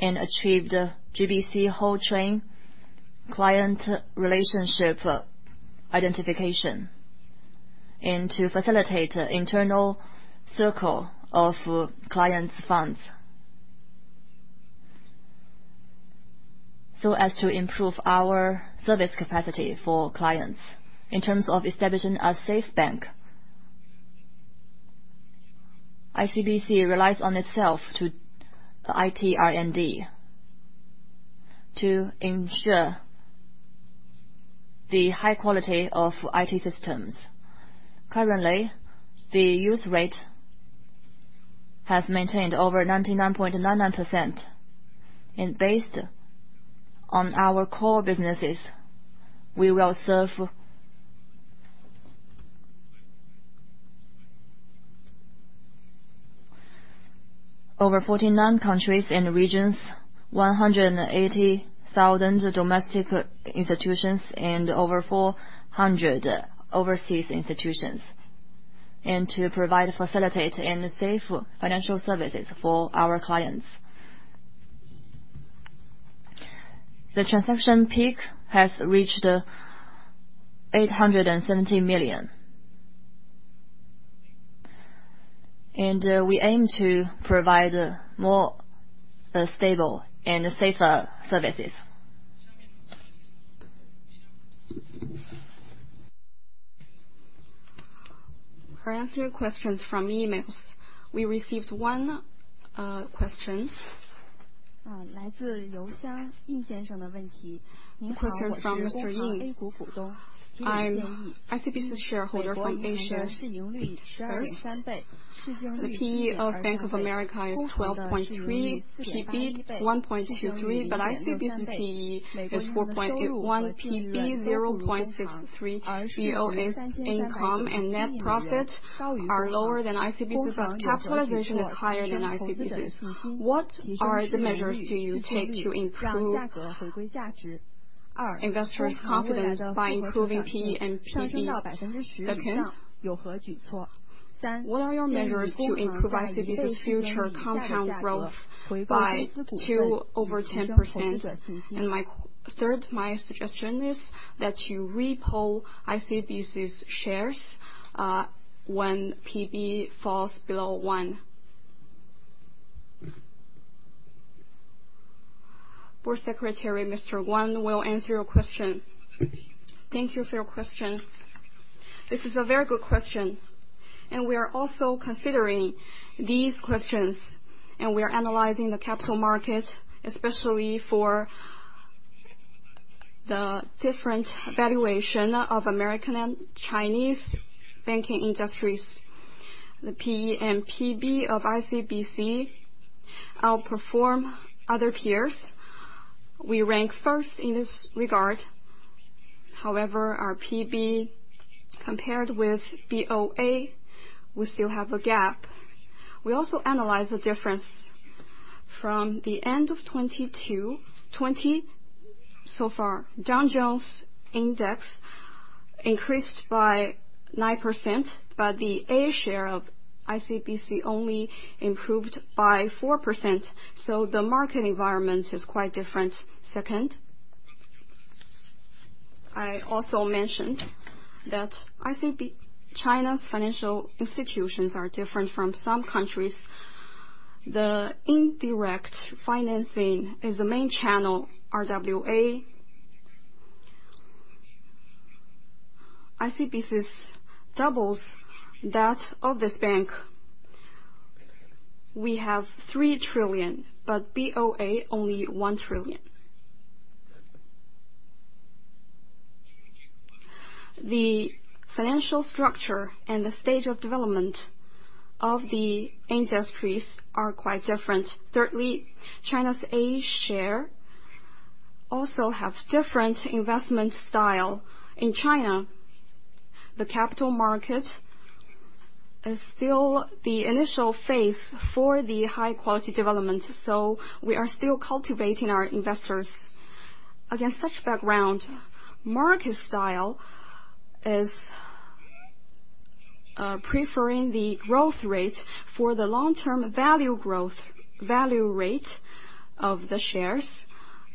Speaker 10: and achieved GBC whole chain client relationship identification and to facilitate internal circle of clients' funds As to improve our service capacity for clients. In terms of establishing a safe bank, ICBC relies on itself to the IT R&D to ensure the high quality of IT systems. Currently, the use rate has maintained over 99.99%. Based on our core businesses, we will serve over 49 countries and regions, 180,000 domestic institutions, and over 400 overseas institutions, and to provide facilitate and safe financial services for our clients. The transaction peak has reached 870 million. We aim to provide more stable and safer services.
Speaker 1: For answer your questions from emails. We received one questions. The question from Mr. Ying. I'm ICBC shareholder from A-share. First, the PE of Bank of America is 12.3x, PB, 1.23x, but ICBC PE is 4.81x, PB 0.63x. BOA's income and net profits are lower than ICBC's, but capitalization is higher than ICBC's is. What are the measures do you take to improve investors' confidence by improving PE and PB? Second, what are your measures to improve ICBC's future compound growth by 2% over 10%? My third, my suggestion is that you re-poll ICBC's shares when PB falls below 1x.
Speaker 4: Board Secretary Mr. Guan will answer your question.
Speaker 2: Thank you for your question. This is a very good question, and we are also considering these questions, and we are analyzing the capital market, especially for the different valuation of American and Chinese banking industries. The PE and PB of ICBC outperform other peers. We rank first in this regard. However, our PB compared with BOA, we still have a gap. We also analyze the difference from the end of 2020 to 2022. So far, Dow Jones Index increased by 9%, but the A-share of ICBC only improved by 4%, so the market environment is quite different. Second, I also mentioned that ICBC China's financial institutions are different from some countries. The indirect financing is the main channel, RWA. ICBC's doubles that of this bank. We have 3 trillion, but BOA only 1 trillion. The financial structure and the stage of development of the industries are quite different. Thirdly, China's A-share also have different investment style. In China, the capital market is still the initial phase for the high-quality development. We are still cultivating our investors. Against such background, market style is preferring the growth rate for the long-term value growth, value rate of the shares.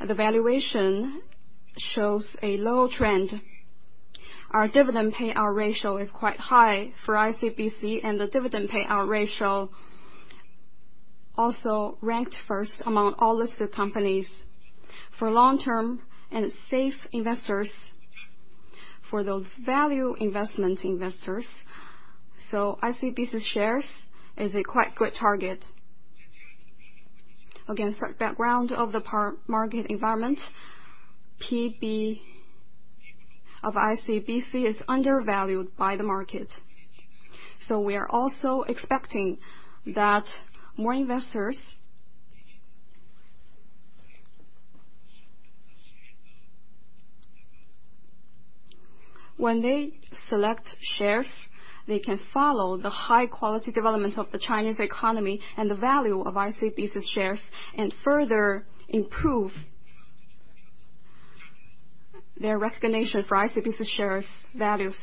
Speaker 2: The valuation shows a low trend. Our dividend payout ratio is quite high for ICBC, and the dividend payout ratio also ranked first among all listed companies for long-term and safe investors, for those value investment investors. ICBC's shares is a quite good target. Against that background of the market environment, PB of ICBC is undervalued by the market. We are also expecting that more investors, when they select shares, they can follow the high quality development of the Chinese economy and the value of ICBC's shares and further improve their recognition for ICBC shares' values.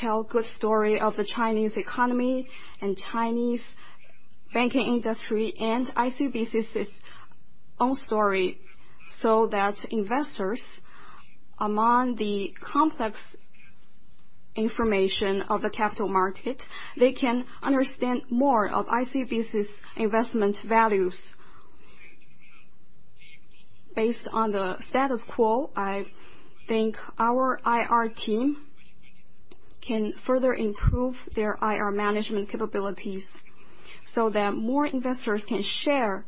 Speaker 2: Tell good story of the Chinese economy and Chinese banking industry, and ICBC's own story, so that investors, among the complex information of the capital market, they can understand more of ICBC's investment values. Based on the status quo, I think our IR team can further improve their IR management capabilities so that more investors can share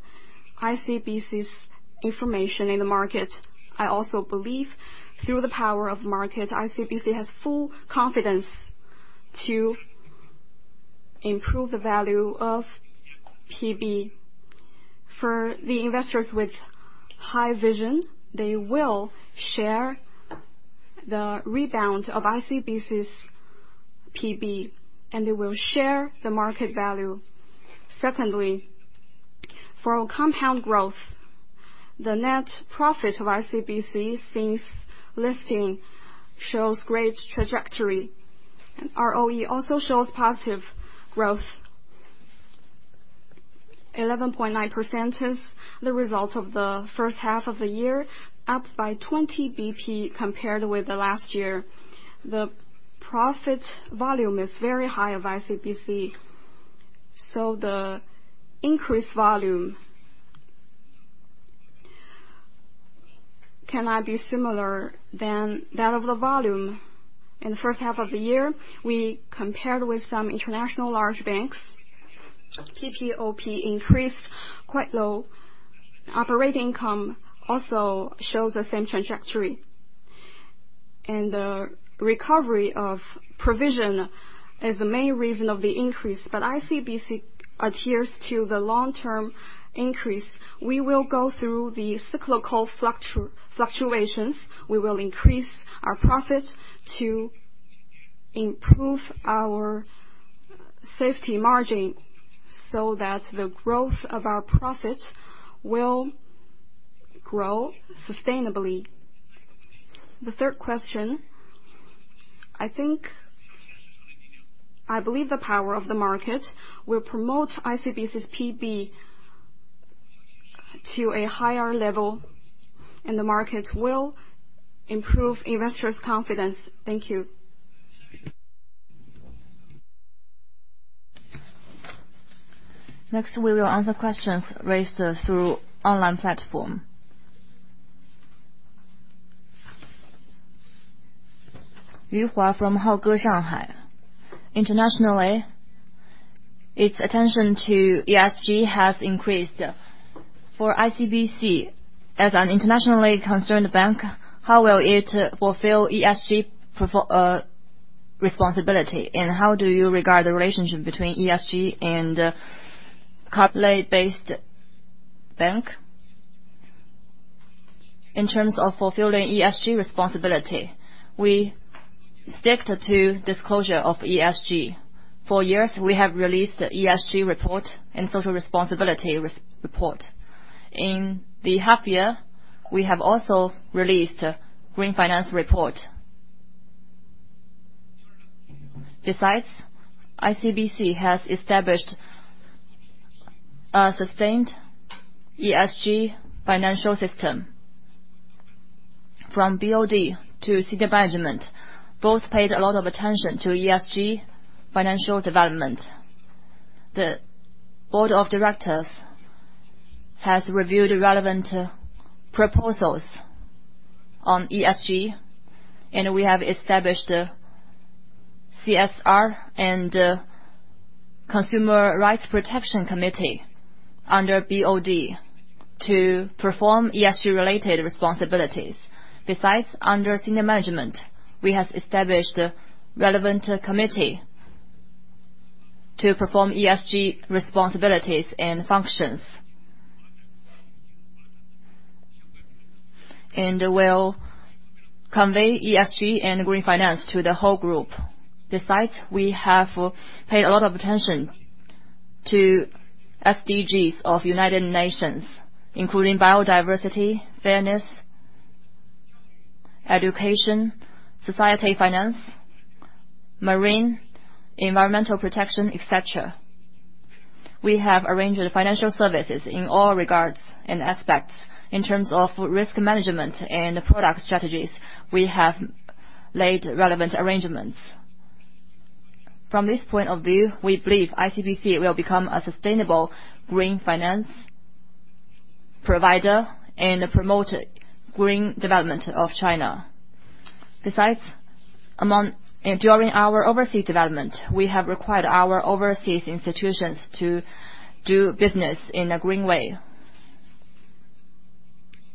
Speaker 2: ICBC's information in the market. I also believe through the power of market, ICBC has full confidence to improve the value of PB. For the investors with high vision, they will share the rebound of ICBC's PB, and they will share the market value. Secondly, for compound growth, the net profit of ICBC since listing shows great trajectory, and ROE also shows positive growth. 11.9% is the result of the first half of the year, up by 20 bp compared with the last year. The profit volume is very high of ICBC, so the increased volume cannot be similar to that of the volume. In the first half of the year, we compared with some international large banks. PPOP increased quite low. Operating income also shows the same trajectory. The recovery of provision is the main reason of the increase. ICBC adheres to the long-term increase. We will go through the cyclical fluctuations. We will increase our profits to improve our safety margin so that the growth of our profits will grow sustainably. The third question, I believe the power of the market will promote ICBC's PB to a higher level, and the market will improve investors' confidence. Thank you.
Speaker 1: Next, we will answer questions raised through online platform. Yu Hua from Haoge, Shanghai. Internationally, its attention to ESG has increased. For ICBC, as an internationally concerned bank, how will it fulfill ESG responsibility? How do you regard the relationship between ESG and a capital-based bank?
Speaker 2: In terms of fulfilling ESG responsibility, we sticked to disclosure of ESG. For years, we have released the ESG report and social responsibility report. In the half year, we have also released green finance report. Besides, ICBC has established a sustained ESG financial system. From BOD to senior management, both paid a lot of attention to ESG financial development. The Board of Directors has reviewed relevant proposals on ESG, and we have established CSR and Consumer Rights Protection Committee under BOD to perform ESG-related responsibilities. Besides, under senior management, we have established relevant committee to perform ESG responsibilities and functions. Will convey ESG and green finance to the whole group. We have paid a lot of attention to SDGs of United Nations, including biodiversity, fairness, education, society finance, marine, environmental protection, et cetera. We have arranged financial services in all regards and aspects. In terms of risk management and product strategies, we have laid relevant arrangements. From this point of view, we believe ICBC will become a sustainable green finance provider and promote green development of China. During our overseas development, we have required our overseas institutions to do business in a green way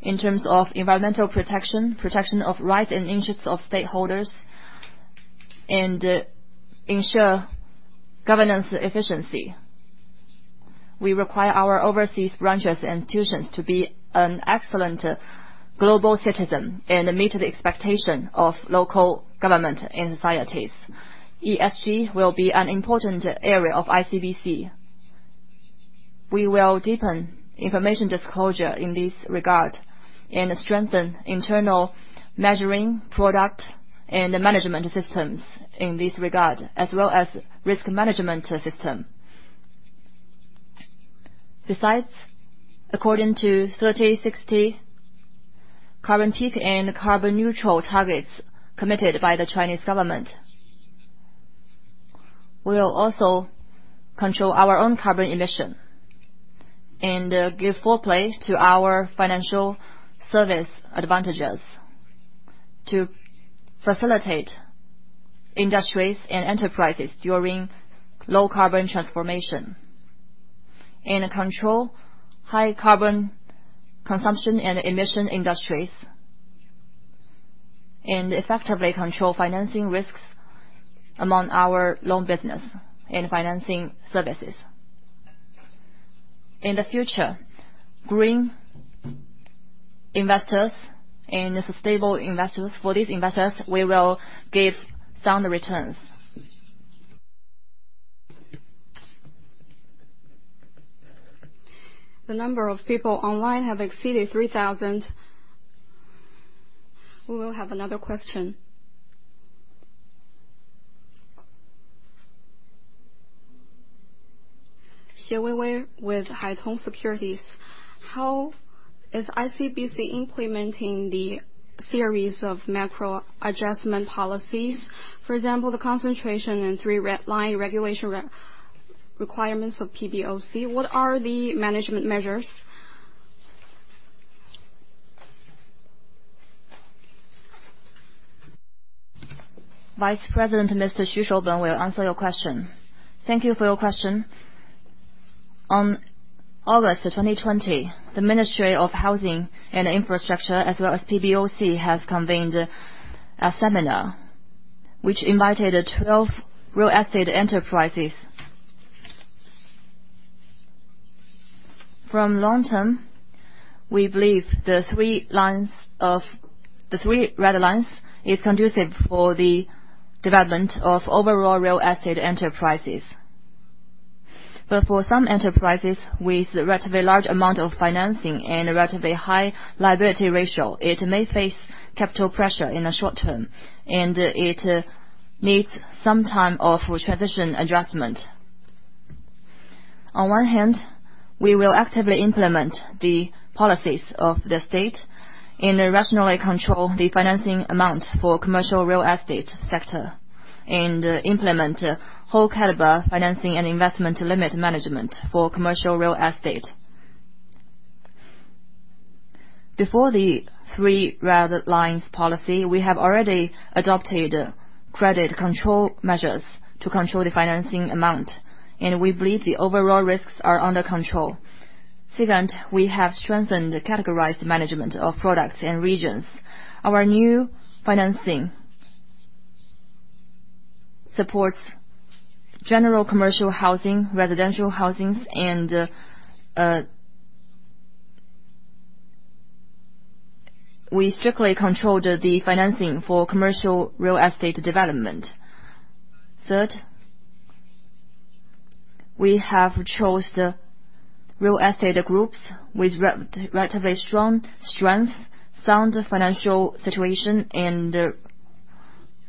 Speaker 2: in terms of environmental protection of rights and interests of stakeholders, and ensure governance efficiency. We require our overseas branches institutions to be an excellent global citizen and meet the expectation of local government and societies. ESG will be an important area of ICBC. We will deepen information disclosure in this regard and strengthen internal measuring product and management systems in this regard, as well as risk management system. According to 30-60 carbon peak and carbon-neutral targets committed by the Chinese government, we will also control our own carbon emission and give full play to our financial service advantages to facilitate industries and enterprises during low-carbon transformation and control high-carbon consumption and emission industries, and effectively control financing risks among our loan business and financing services. In the future, green investors and sustainable investors, for these investors, we will give sound returns.
Speaker 1: The number of people online have exceeded 3,000. We will have another question. Xie Weiwei with Haitong Securities.
Speaker 14: How is ICBC implementing the series of macro adjustment policies? For example, the concentration in three red line regulation requirements of PBOC. What are the management measures?
Speaker 4: Vice President, Mr. Xu Shouben will answer your question.
Speaker 8: Thank you for your question. On August 2020, the Ministry of Housing and Urban-Rural Development, as well as PBOC, has convened a seminar which invited 12 real estate enterprises. From long term, we believe the three red lines is conducive for the development of overall real estate enterprises. For some enterprises with a relatively large amount of financing and a relatively high liability ratio, it may face capital pressure in the short term, and it needs some time of transition adjustment. On one hand, we will actively implement the policies of the state and rationally control the financing amount for commercial real estate sector and implement whole caliber financing and investment limit management for commercial real estate. Before the three red lines policy, we have already adopted credit control measures to control the financing amount. We believe the overall risks are under control. Two, we have strengthened the categorized management of products and regions. Our new financing supports general commercial housing, residential housings. We strictly controlled the financing for commercial real estate development. Three, we have chose the real estate groups with relatively strong strength, sound financial situation, and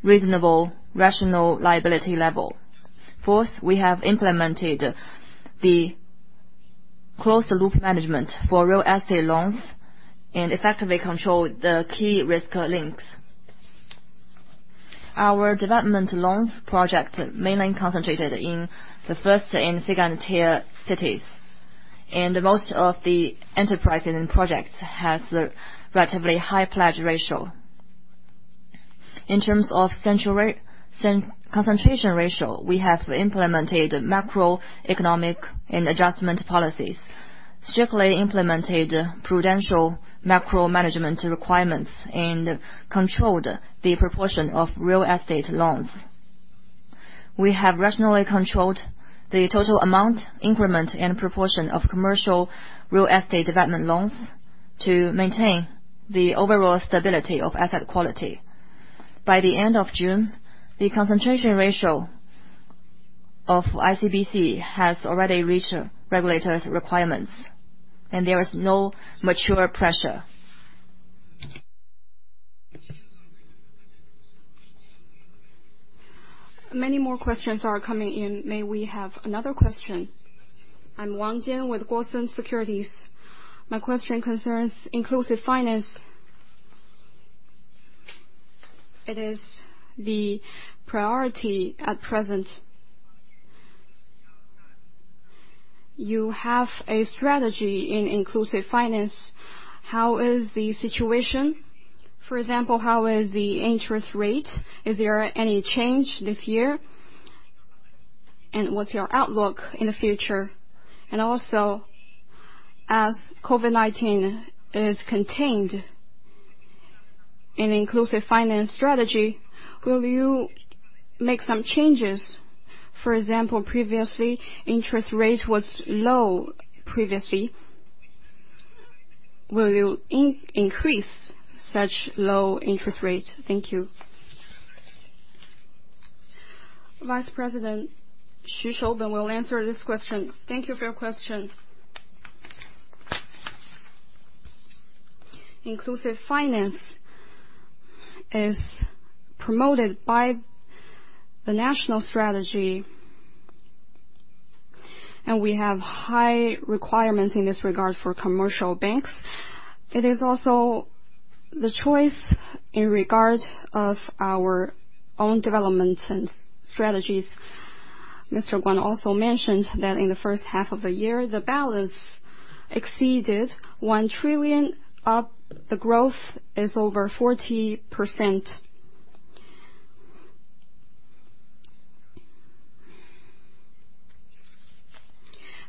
Speaker 8: reasonable rational liability level. Four, we have implemented the closed loop management for real estate loans and effectively controlled the key risk links. Our development loans project mainly concentrated in the first and second tier cities. Most of the enterprises and projects has a relatively high pledge ratio. In terms of concentration ratio, we have implemented macroeconomic and adjustment policies, strictly implemented prudential macro management requirements, and controlled the proportion of real estate loans. We have rationally controlled the total amount, increment, and proportion of commercial real estate development loans to maintain the overall stability of asset quality. By the end of June, the concentration ratio of ICBC has already reached regulators' requirements, and there is no mature pressure.
Speaker 1: Many more questions are coming in. May we have another question?
Speaker 15: I'm Wang Jinghan with Guosen Securities. My question concerns inclusive finance. It is the priority at present. You have a strategy in inclusive finance. How is the situation? For example, how is the interest rate? Is there any change this year? What's your outlook in the future? As COVID-19 is contained, in inclusive finance strategy, will you make some changes? For example, previously, interest rate was low previously. Will you increase such low interest rates? Thank you.
Speaker 4: Vice President Xu Shouben will answer this question.
Speaker 8: Thank you for your question. Inclusive finance is promoted by the national strategy, and we have high requirements in this regard for commercial banks. It is also the choice in regard of our own development and strategies. Mr. Guan also mentioned that in the first half of the year, the balance exceeded 1 trillion. The growth is over 40%.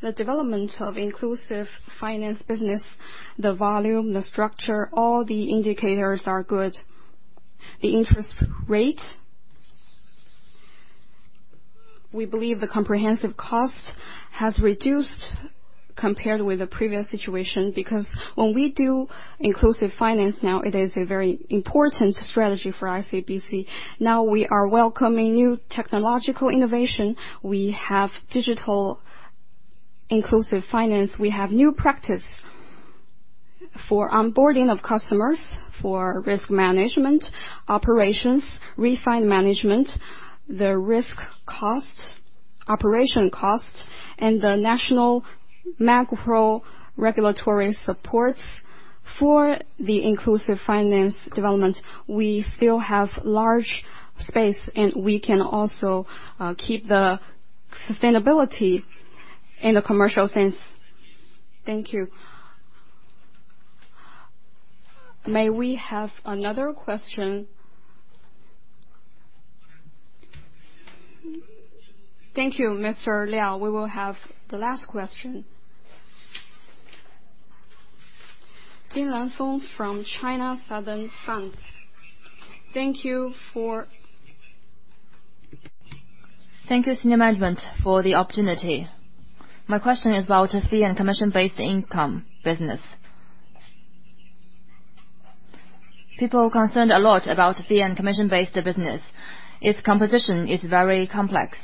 Speaker 8: The development of inclusive finance business, the volume, the structure, all the indicators are good. The interest rate, we believe the comprehensive cost has reduced compared with the previous situation, because when we do inclusive finance now, it is a very important strategy for ICBC. We are welcoming new technological innovation. We have digital inclusive finance. We have new practice for onboarding of customers, for risk management, operations, refined management, the risk costs, operation costs, and the national macro regulatory supports for the inclusive finance development. We still have large space, and we can also keep the sustainability in the commercial sense. Thank you.
Speaker 4: May we have another question?
Speaker 1: Thank you, Mr. Liao. We will have the last question. Jin Lanfeng from China Southern Funds.
Speaker 16: Thank you for- Thank you, senior management, for the opportunity. My question is about fee and commission-based income business. People concerned a lot about fee and commission-based business. Its composition is very complex.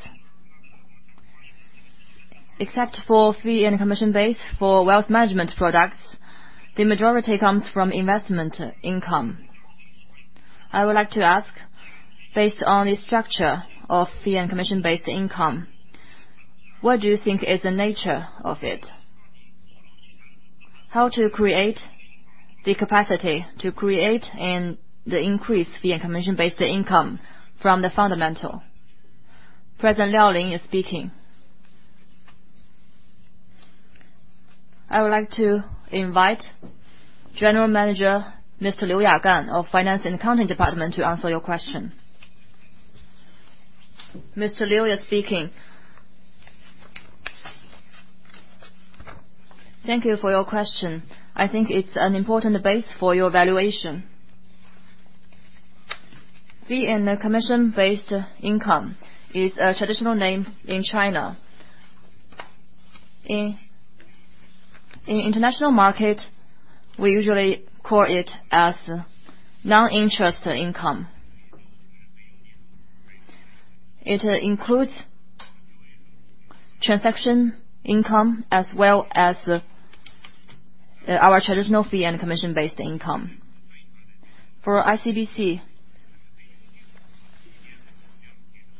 Speaker 16: Except for fee and commission base for wealth management products, the majority comes from investment income. I would like to ask, based on the structure of fee and commission-based income, what do you think is the nature of it? How to create the capacity to create and increase fee and commission-based income from the fundamental?
Speaker 4: President Liao Lin is speaking. I would like to invite General Manager Mr. Liu Yagan of Finance and Accounting Department to answer your question.
Speaker 17: Mr. Liu is speaking. Thank you for your question. I think it's an important base for your valuation. Fee and commission-based income is a traditional name in China. In international market, we usually call it as non-interest income. It includes transaction income, as well as our traditional fee and commission-based income. For ICBC,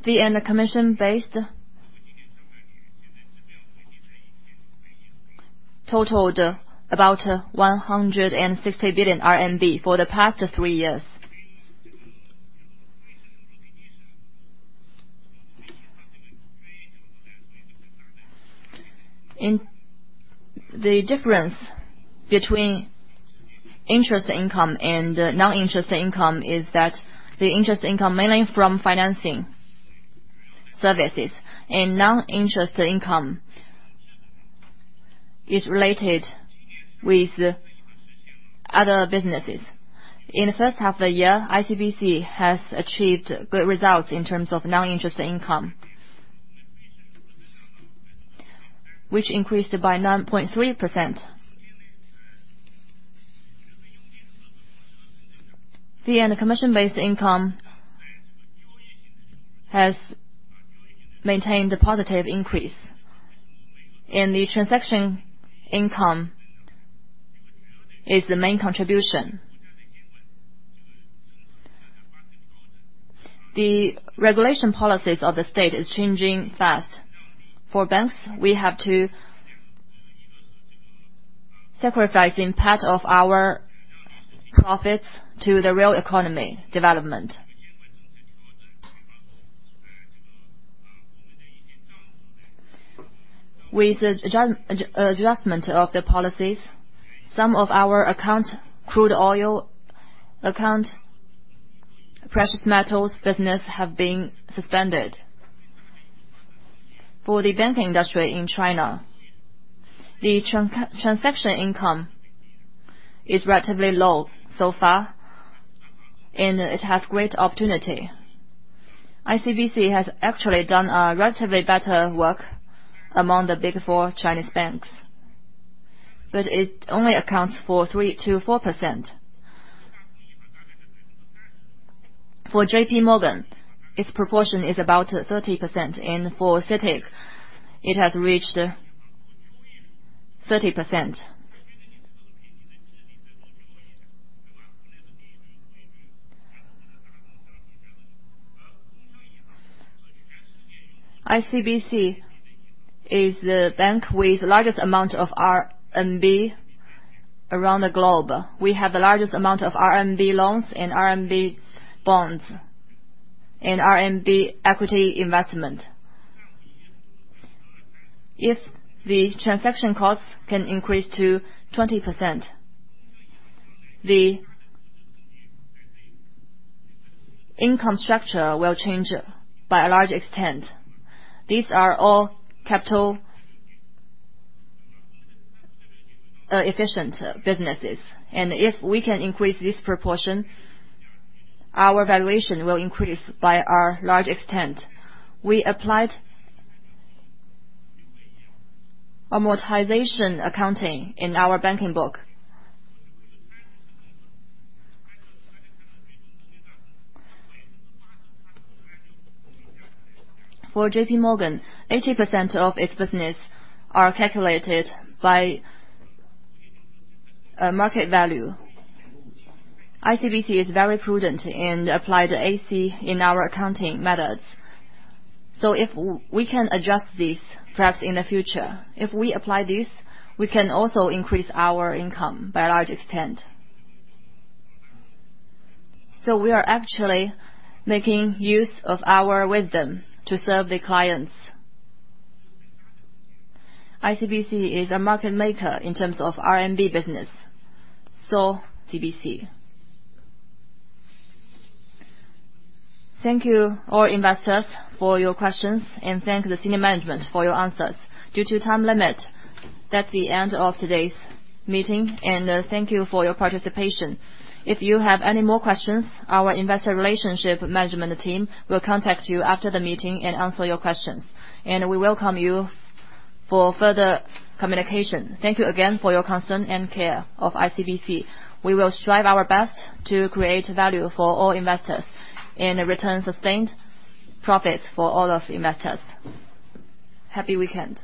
Speaker 17: fee and commission-based totaled about 160 billion RMB for the past three years. The difference between interest income and non-interest income is that the interest income mainly from financing services, and non-interest income is related with other businesses. In the first half of the year, ICBC has achieved good results in terms of non-interest income, which increased by 9.3%. Fee and commission-based income has maintained a positive increase, the transaction income is the main contribution. The regulation policies of the state is changing fast. For banks, we have to sacrifice part of our profits to the real economy development. With the adjustment of the policies, some of our account, crude oil account, precious metals business, have been suspended. For the banking industry in China, the transaction income is relatively low so far, and it has great opportunity. ICBC has actually done a relatively better work among the big four Chinese banks. It only accounts for 3%-4%. For JPMorgan, its proportion is about 30%, and for Citibank, it has reached 30%. ICBC is the bank with the largest amount of RMB around the globe. We have the largest amount of RMB loans and RMB bonds and RMB equity investment. If the transaction costs can increase to 20%, the income structure will change by a large extent. These are all capital efficient businesses, and if we can increase this proportion, our valuation will increase by a large extent. We applied amortization accounting in our banking book. For JPMorgan, 80% of its business are calculated by market value. ICBC is very prudent and applied AC in our accounting methods. If we can adjust this, perhaps in the future, if we apply this, we can also increase our income by a large extent. We are actually making use of our wisdom to serve the clients. ICBC is a market maker in terms of RMB business. GBC.
Speaker 1: Thank you, all investors for your questions, and thank the senior management for your answers. Due to time limit, that's the end of today's meeting, and thank you for your participation. If you have any more questions, our investor relationship management team will contact you after the meeting and answer your questions. We welcome you for further communication. Thank you again for your concern and care of ICBC. We will strive our best to create value for all investors and return sustained profits for all of investors. Happy weekend.